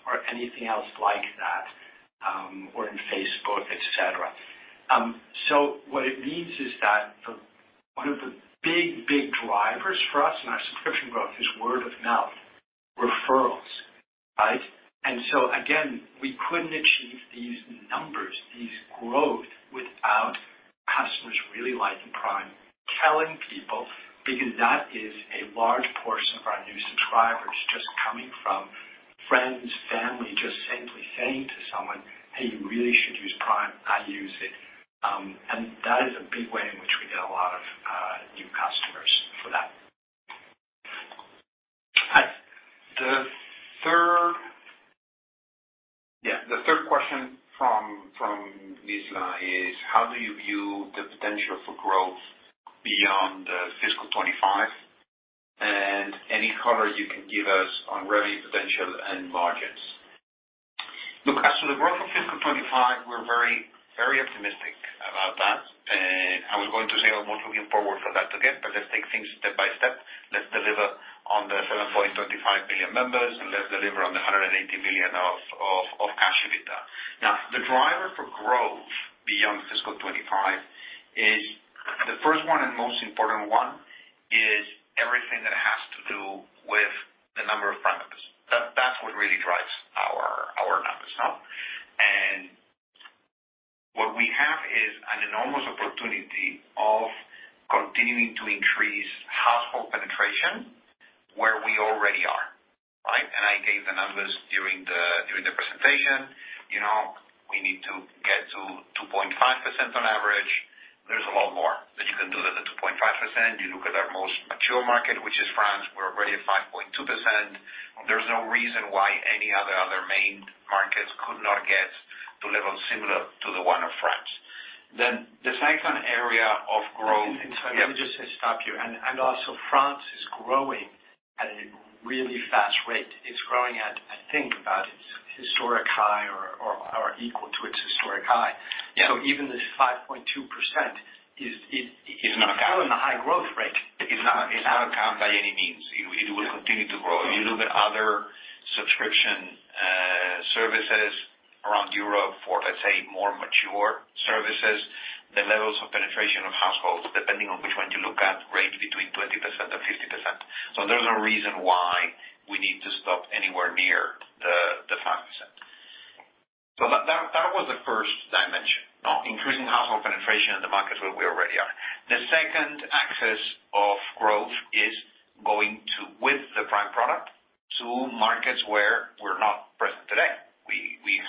or anything else like that or in Facebook, et cetera. So what it means is that the one of the big, big drivers for us in our subscription growth is word of mouth, referrals, right? And so again, we couldn't achieve these numbers, these growth, without customers really liking Prime, telling people, because that is a large portion of our new subscribers, just coming from friends, family, just simply saying to someone, "Hey, you really should use Prime. I use it." And that is a big way in which we get a lot of new customers for that. The third... Yeah, the third question from Nizla is: How do you view the potential for growth beyond fiscal 25, and any color you can give us on revenue potential and margins? Look, as to the growth of fiscal 25, we're very, very optimistic about that. I was going to say almost looking forward for that to get, but let's take things step by step. Let's deliver on the 7,250,000,000 members, and let's deliver on the 180,000,000 of cash EBITDA. Now, the driver for growth beyond fiscal 25 is... The first one and most important one is everything that has to do with the number of Prime members. That's what really drives our numbers. Now, and what we have is an enormous opportunity of continuing to increase household penetration where we already are, right? And I gave the numbers during the presentation. You know, we need to get to 2.5% on average. There's a lot more that you can do than the 2.5%. You look at our most mature market, which is France. We're already at 5.2%. There's no reason why any other main markets could not get to levels similar to the one of France. Then the second area of growth. And, sorry, let me just stop you. And also, France is growing at a really fast rate. It's growing at, I think, about historic high or equal to its historic high. Yeah. So even this 5.2% is not enough. Still in the high growth rate. It's not enough by any means. It will continue to grow. You look at other subscription services around Europe for, let's say, more mature services, the levels of penetration of households, depending on which one you look at, range between 20% and 50%. So there's no reason why we need to stop anywhere near the 5%. So that was the first dimension. Now, increasing household penetration in the markets where we already are. The second axis of growth is going to, with the Prime product, to markets where we're not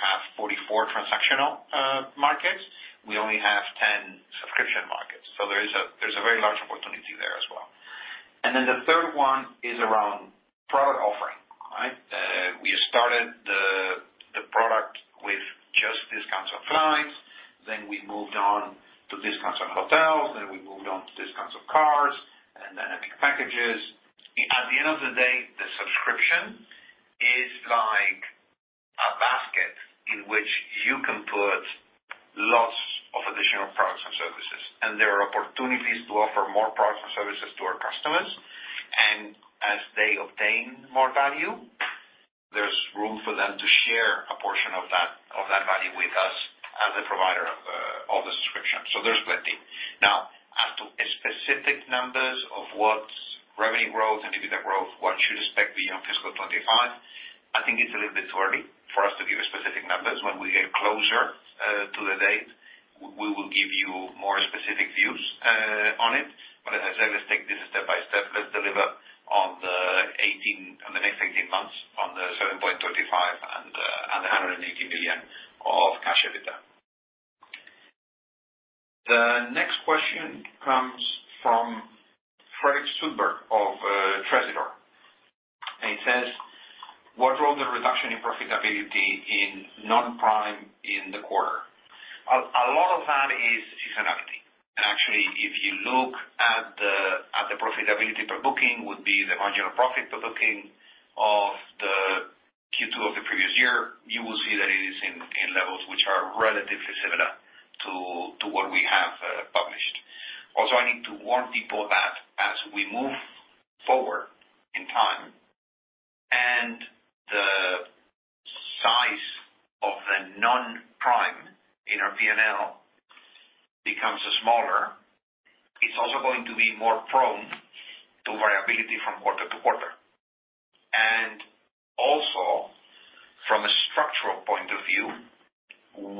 present today. We have 44 transactional markets. We only have 10 subscription markets, so there is a very large opportunity there as well. And then the third one is around product offering, right? We started the product with just discounts on flights. Then we moved on to discounts on hotels, then we moved on to discounts on cars and then holiday packages. At the end of the day, the subscription is like a basket in which you can put lots of additional products and services, and there are opportunities to offer more products and services to our customers. And as they obtain more value, there's room for them to share a portion of that, of that value with us, as the provider of, of the subscription. So there's plenty. Now, as to specific numbers of what revenue growth and EBITDA growth, what should expect beyond fiscal 25, I think it's a little bit too early for us to give specific numbers. When we get closer, to the date, we will give you more specific views, on it. But as I said, let's take this step by step. Let's deliver on the 18 on the next 18 months, on the 7.35 and the EUR 180,000,000 of cash EBITDA. The next question comes from Fredrik Sundberg of Tresidor. It says, "What drove the reduction in profitability in non-Prime in the quarter? A lot of that is seasonality. And actually, if you look at the profitability per booking, would be the marginal profit per booking, you will see that it is in levels which are relatively similar to what we have published. Also, I need to warn people that as we move forward in time and the size of the non-Prime in our P&L becomes smaller, it's also going to be more prone to variability from quarter to quarter. And also, from a structural point of view,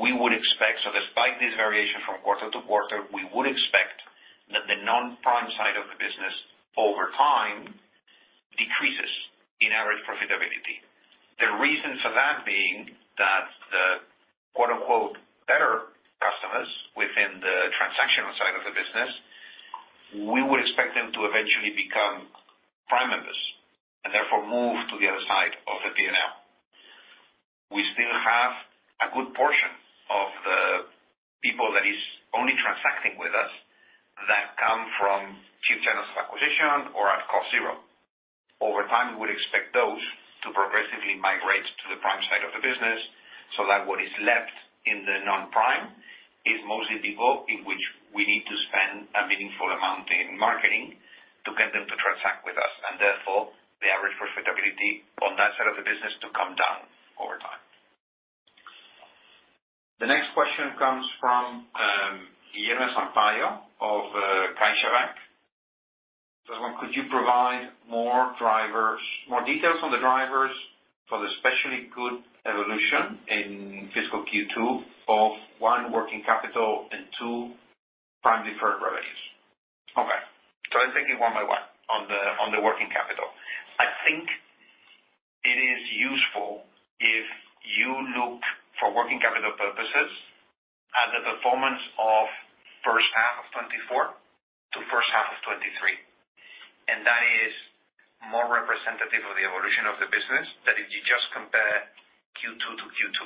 we would expect, so despite this variation from quarter to quarter, we would expect that the non-Prime side of the business, over time, decreases in average profitability. The reason for that being that the quote, unquote, "better customers" within the transactional side of the business, we would expect them to eventually become Prime members, and therefore, move to the other side of the PNL. We still have a good portion of the people that is only transacting with us, that come from cheap channels of acquisition or at cost zero. Over time, we would expect those to progressively migrate to the Prime side of the business, so that what is left in the non-Prime is mostly people in which we need to spend a meaningful amount in marketing to get them to transact with us, and therefore, the average profitability on that side of the business to come down over time. The next question comes from Guilherme Sampaio of CaixaBank. So could you provide more details on the drivers for the especially good evolution in fiscal Q2 of, one, working capital, and two, Prime deferred revenues? Okay. So I'll take it one by one. On the working capital. I think it is useful if you look for working capital purposes at the performance of first half of 2024 to first half of 2023, and that is more representative of the evolution of the business than if you just compare Q2 to Q2.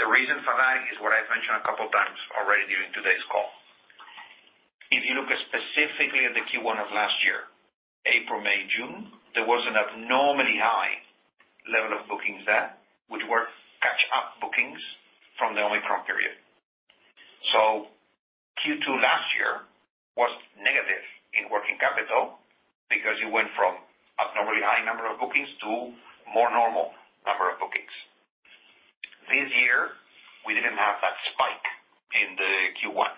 The reason for that is what I've mentioned a couple of times already during today's call. If you look specifically at the Q1 of last year, April, May, June, there was an abnormally high level of bookings there, which were catch-up bookings from the Omicron period. So Q2 last year was negative in working capital because you went from abnormally high number of bookings to more normal number of bookings. This year, we didn't have that spike in the Q1,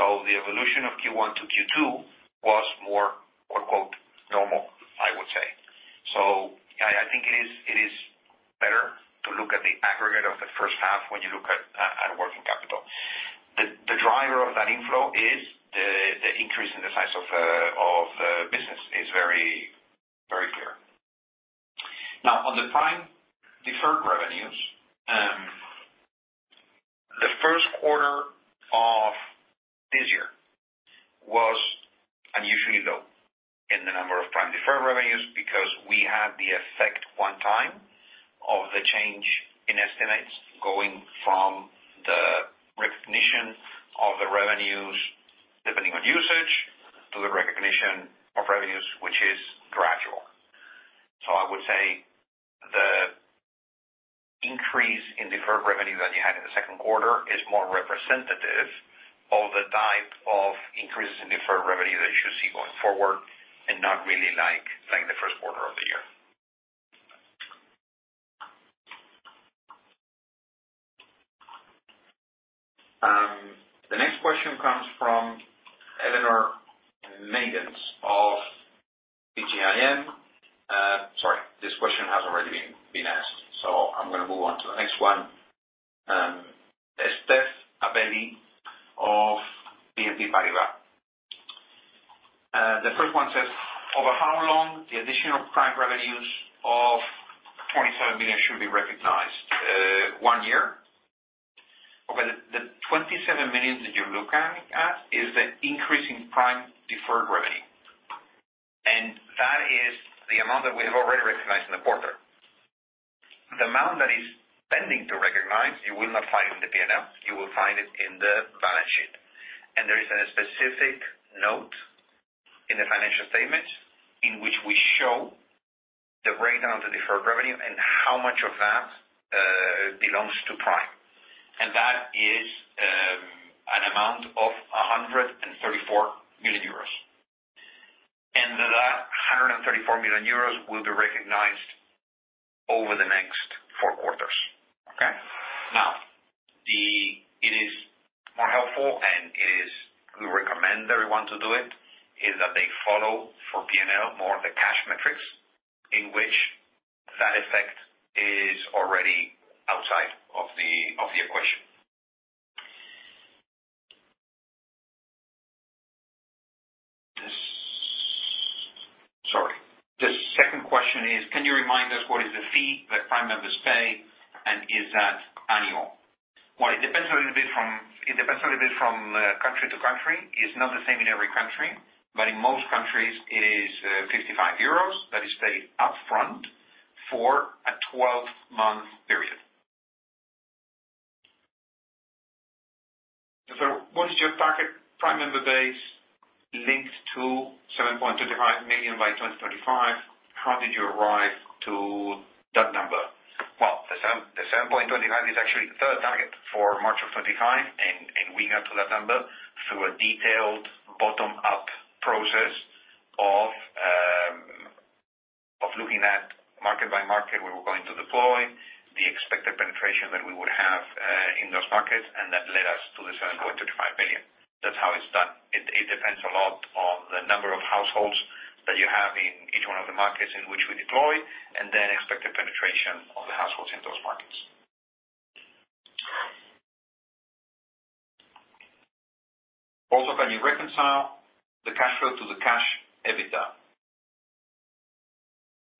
so the evolution of Q1 to Q2 was more, quote, unquote, "normal," I would say. So I think it is better to look at the aggregate of the first half when you look at working capital. The driver of that inflow is the increase in the size of business is very, very clear. Now, on the Prime deferred revenues, the first quarter of this year was unusually low in the number of Prime deferred revenues because we had the effect one time of the change in estimates, going from the recognition of the revenues, depending on usage, to the recognition of revenues, which is gradual. So I would say the increase in deferred revenue that you had in the second quarter is more representative of the type of increases in deferred revenue that you should see going forward and not really like the first quarter of the year. The next question comes from Eleanor Maidens of PGIM. Sorry, this question has already been asked, so I'm gonna move on to the next one. It's Steph Abelli of BNP Paribas. The first one says, "Over how long the additional Prime revenues of 27,000,000 should be recognized? One year?" Okay, the 27,000,000 that you're looking at is the increase in Prime deferred revenue, and that is the amount that we have already recognized in the quarter. The amount that is pending to recognize, you will not find it in the P&L, you will find it in the balance sheet. And there is a specific note in the financial statement in which we show the breakdown to deferred revenue and how much of that belongs to Prime. And that is an amount of 134,000,000 euros. And that 134,000,000 euros will be recognized over the next four quarters. Okay? Now, it is more helpful, and it is we recommend everyone to do it, is that they follow for P&L more the cash metrics, in which that effect is already outside of the, of the equation. The... Sorry. The second question is: Can you remind us what is the fee that Prime members pay, and is that annual? Well, it depends a little bit from country to country. It's not the same in every country, but in most countries, it is, 55 euros that is paid upfront for a 12-month period.... So what is your target Prime member base linked to 7,250,000 by 2035? How did you arrive to that number? Well, the 7.25 is actually the third target for March of 2025, and we got to that number through a detailed bottom-up process of looking at market by market, where we're going to deploy, the expected penetration that we would have in those markets, and that led us to the 7,350,000. That's how it's done. It depends a lot on the number of households that you have in each one of the markets in which we deploy, and then expected penetration of the households in those markets. Also, can you reconcile the cash flow to the cash EBITDA?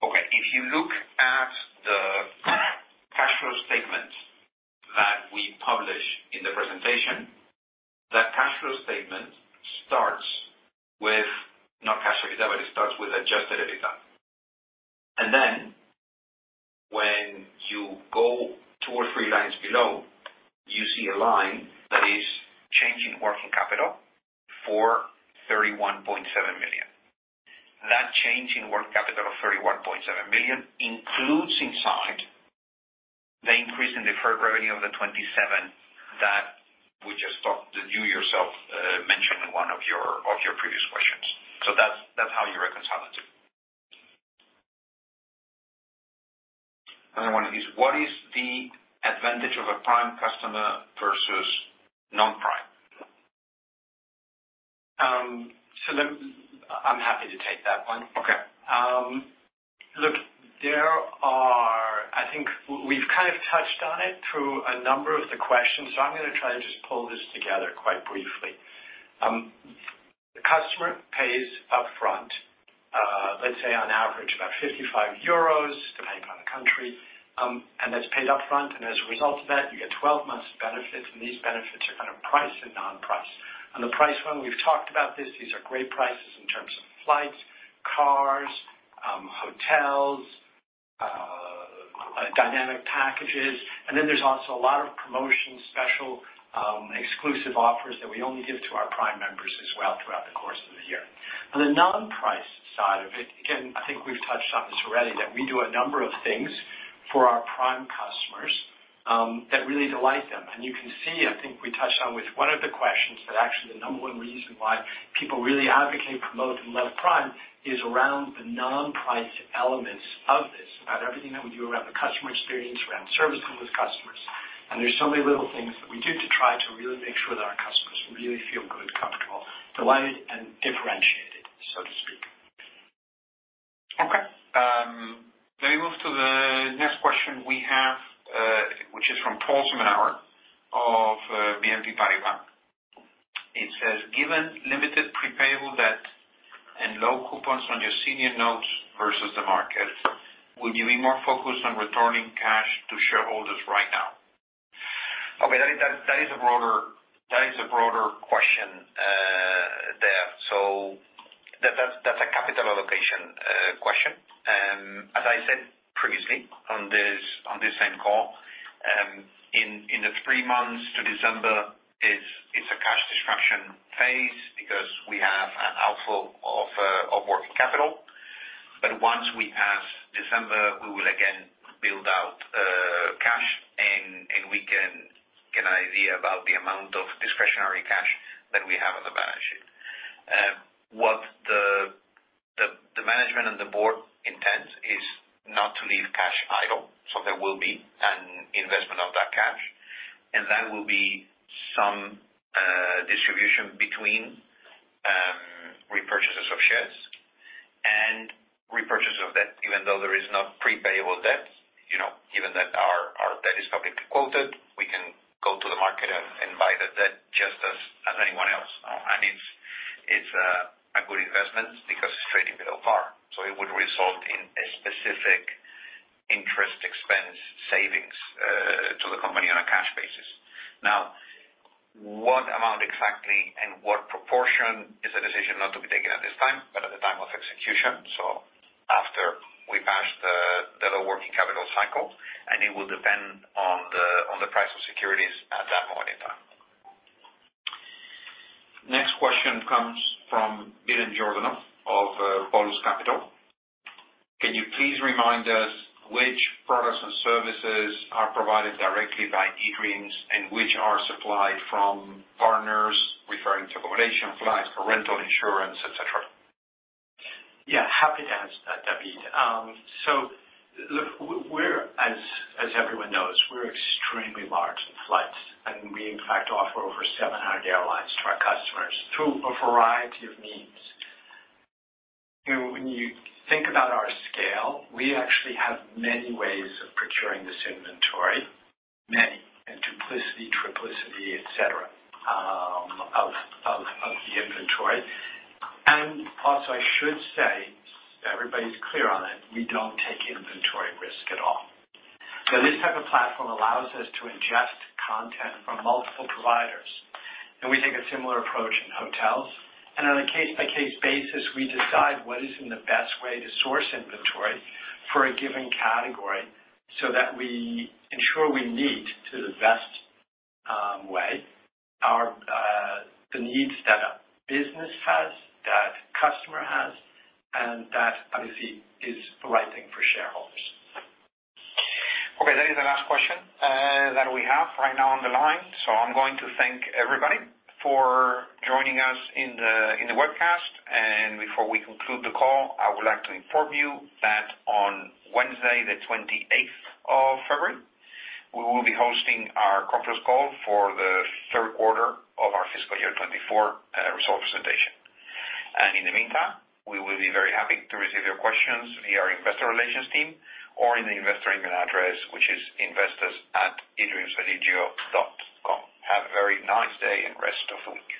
Okay. If you look at the cash flow statement that we published in the presentation, that cash flow statement starts with not cash flow, but it starts with adjusted EBITDA. Then when you go two or three lines below, you see a line that is changing working capital for 31,700,000. That change in working capital of 31,700,000 includes inside the increase in deferred revenue of the 27 that we just talked, that you yourself mentioned in one of your, of your previous questions. So that's, that's how you reconcile the two. Another one is, what is the advantage of a Prime customer versus non-Prime? So, I'm happy to take that one. Okay. Look, I think we've kind of touched on it through a number of the questions, so I'm gonna try to just pull this together quite briefly. The customer pays upfront, let's say on average, about 55 euros, depending on the country, and that's paid upfront. As a result of that, you get 12 months of benefits, and these benefits are kind of priced and non-priced. On the price one, we've talked about this, these are great prices in terms of flights, cars, hotels, dynamic packages, and then there's also a lot of promotions, special, exclusive offers that we only give to our Prime members as well throughout the course of the year. On the non-price side of it, again, I think we've touched on this already, that we do a number of things for our Prime customers, that really delight them. And you can see, I think we touched on with one of the questions that actually the number one reason why people really advocate, promote, and love Prime, is around the non-price elements of this. About everything that we do around the customer experience, around servicing those customers. And there's so many little things that we do to try to really make sure that our customers really feel good, comfortable, delighted, and differentiated, so to speak. Okay. Let me move to the next question we have, which is from Paul Zimmernauer of BNP Paribas. It says, "Given limited prepayable debt and low coupons on your senior notes versus the market, would you be more focused on returning cash to shareholders right now?" Okay, that is a broader question there. So that's a capital allocation question. As I said previously, on this same call, in the three months to December, it's a cash destruction phase because we have an outflow of working capital. But once we pass December, we will again build out cash and we can get an idea about the amount of discretionary cash that we have on the balance sheet. What the management and the board intends is not to leave cash idle, so there will be an investment of that cash, and that will be some distribution between repurchases of shares and repurchase of debt, even though there is no prepayable debt. You know, given that our debt is publicly quoted, we can go to the market and buy the debt just as anyone else. It's a good investment because it's trading below par, so it would result in a specific interest expense savings to the company on a cash basis. Now, what amount exactly and what proportion is a decision not to be taken at this time, but at the time of execution, so after we pass the low working capital cycle, and it will depend on the price of securities at that point in time. Next question comes from William Giordano of Polus Capital. Can you please remind us which products and services are provided directly by eDreams, and which are supplied from partners referring to accommodation, flights, or rental insurance, et cetera? Yeah, happy to answer that, David. So look, we're, as everyone knows, we're extremely large in flights, and we, in fact, offer over 700 airlines to our customers through a variety of means. You know, when you think about our scale, we actually have many ways of procuring this inventory, many in duplication, triplication, et cetera, of the inventory. And also, I should say, everybody's clear on it, we don't take inventory risk at all. So this type of platform allows us to ingest content from multiple providers, and we take a similar approach in hotels. On a case-by-case basis, we decide what is in the best way to source inventory for a given category, so that we ensure we meet to the best way our the needs that a business has, that customer has, and that obviously is the right thing for shareholders. Okay, that is the last question that we have right now on the line. So I'm going to thank everybody for joining us in the, in the webcast. And before we conclude the call, I would like to inform you that on Wednesday, the 28th of February, we will be hosting our conference call for the third quarter of our fiscal year 2024 result presentation. And in the meantime, we will be very happy to receive your questions via our investor relations team, or in the investor email address, which is investors@edreamsodigeo.com. Have a very nice day and rest of the week.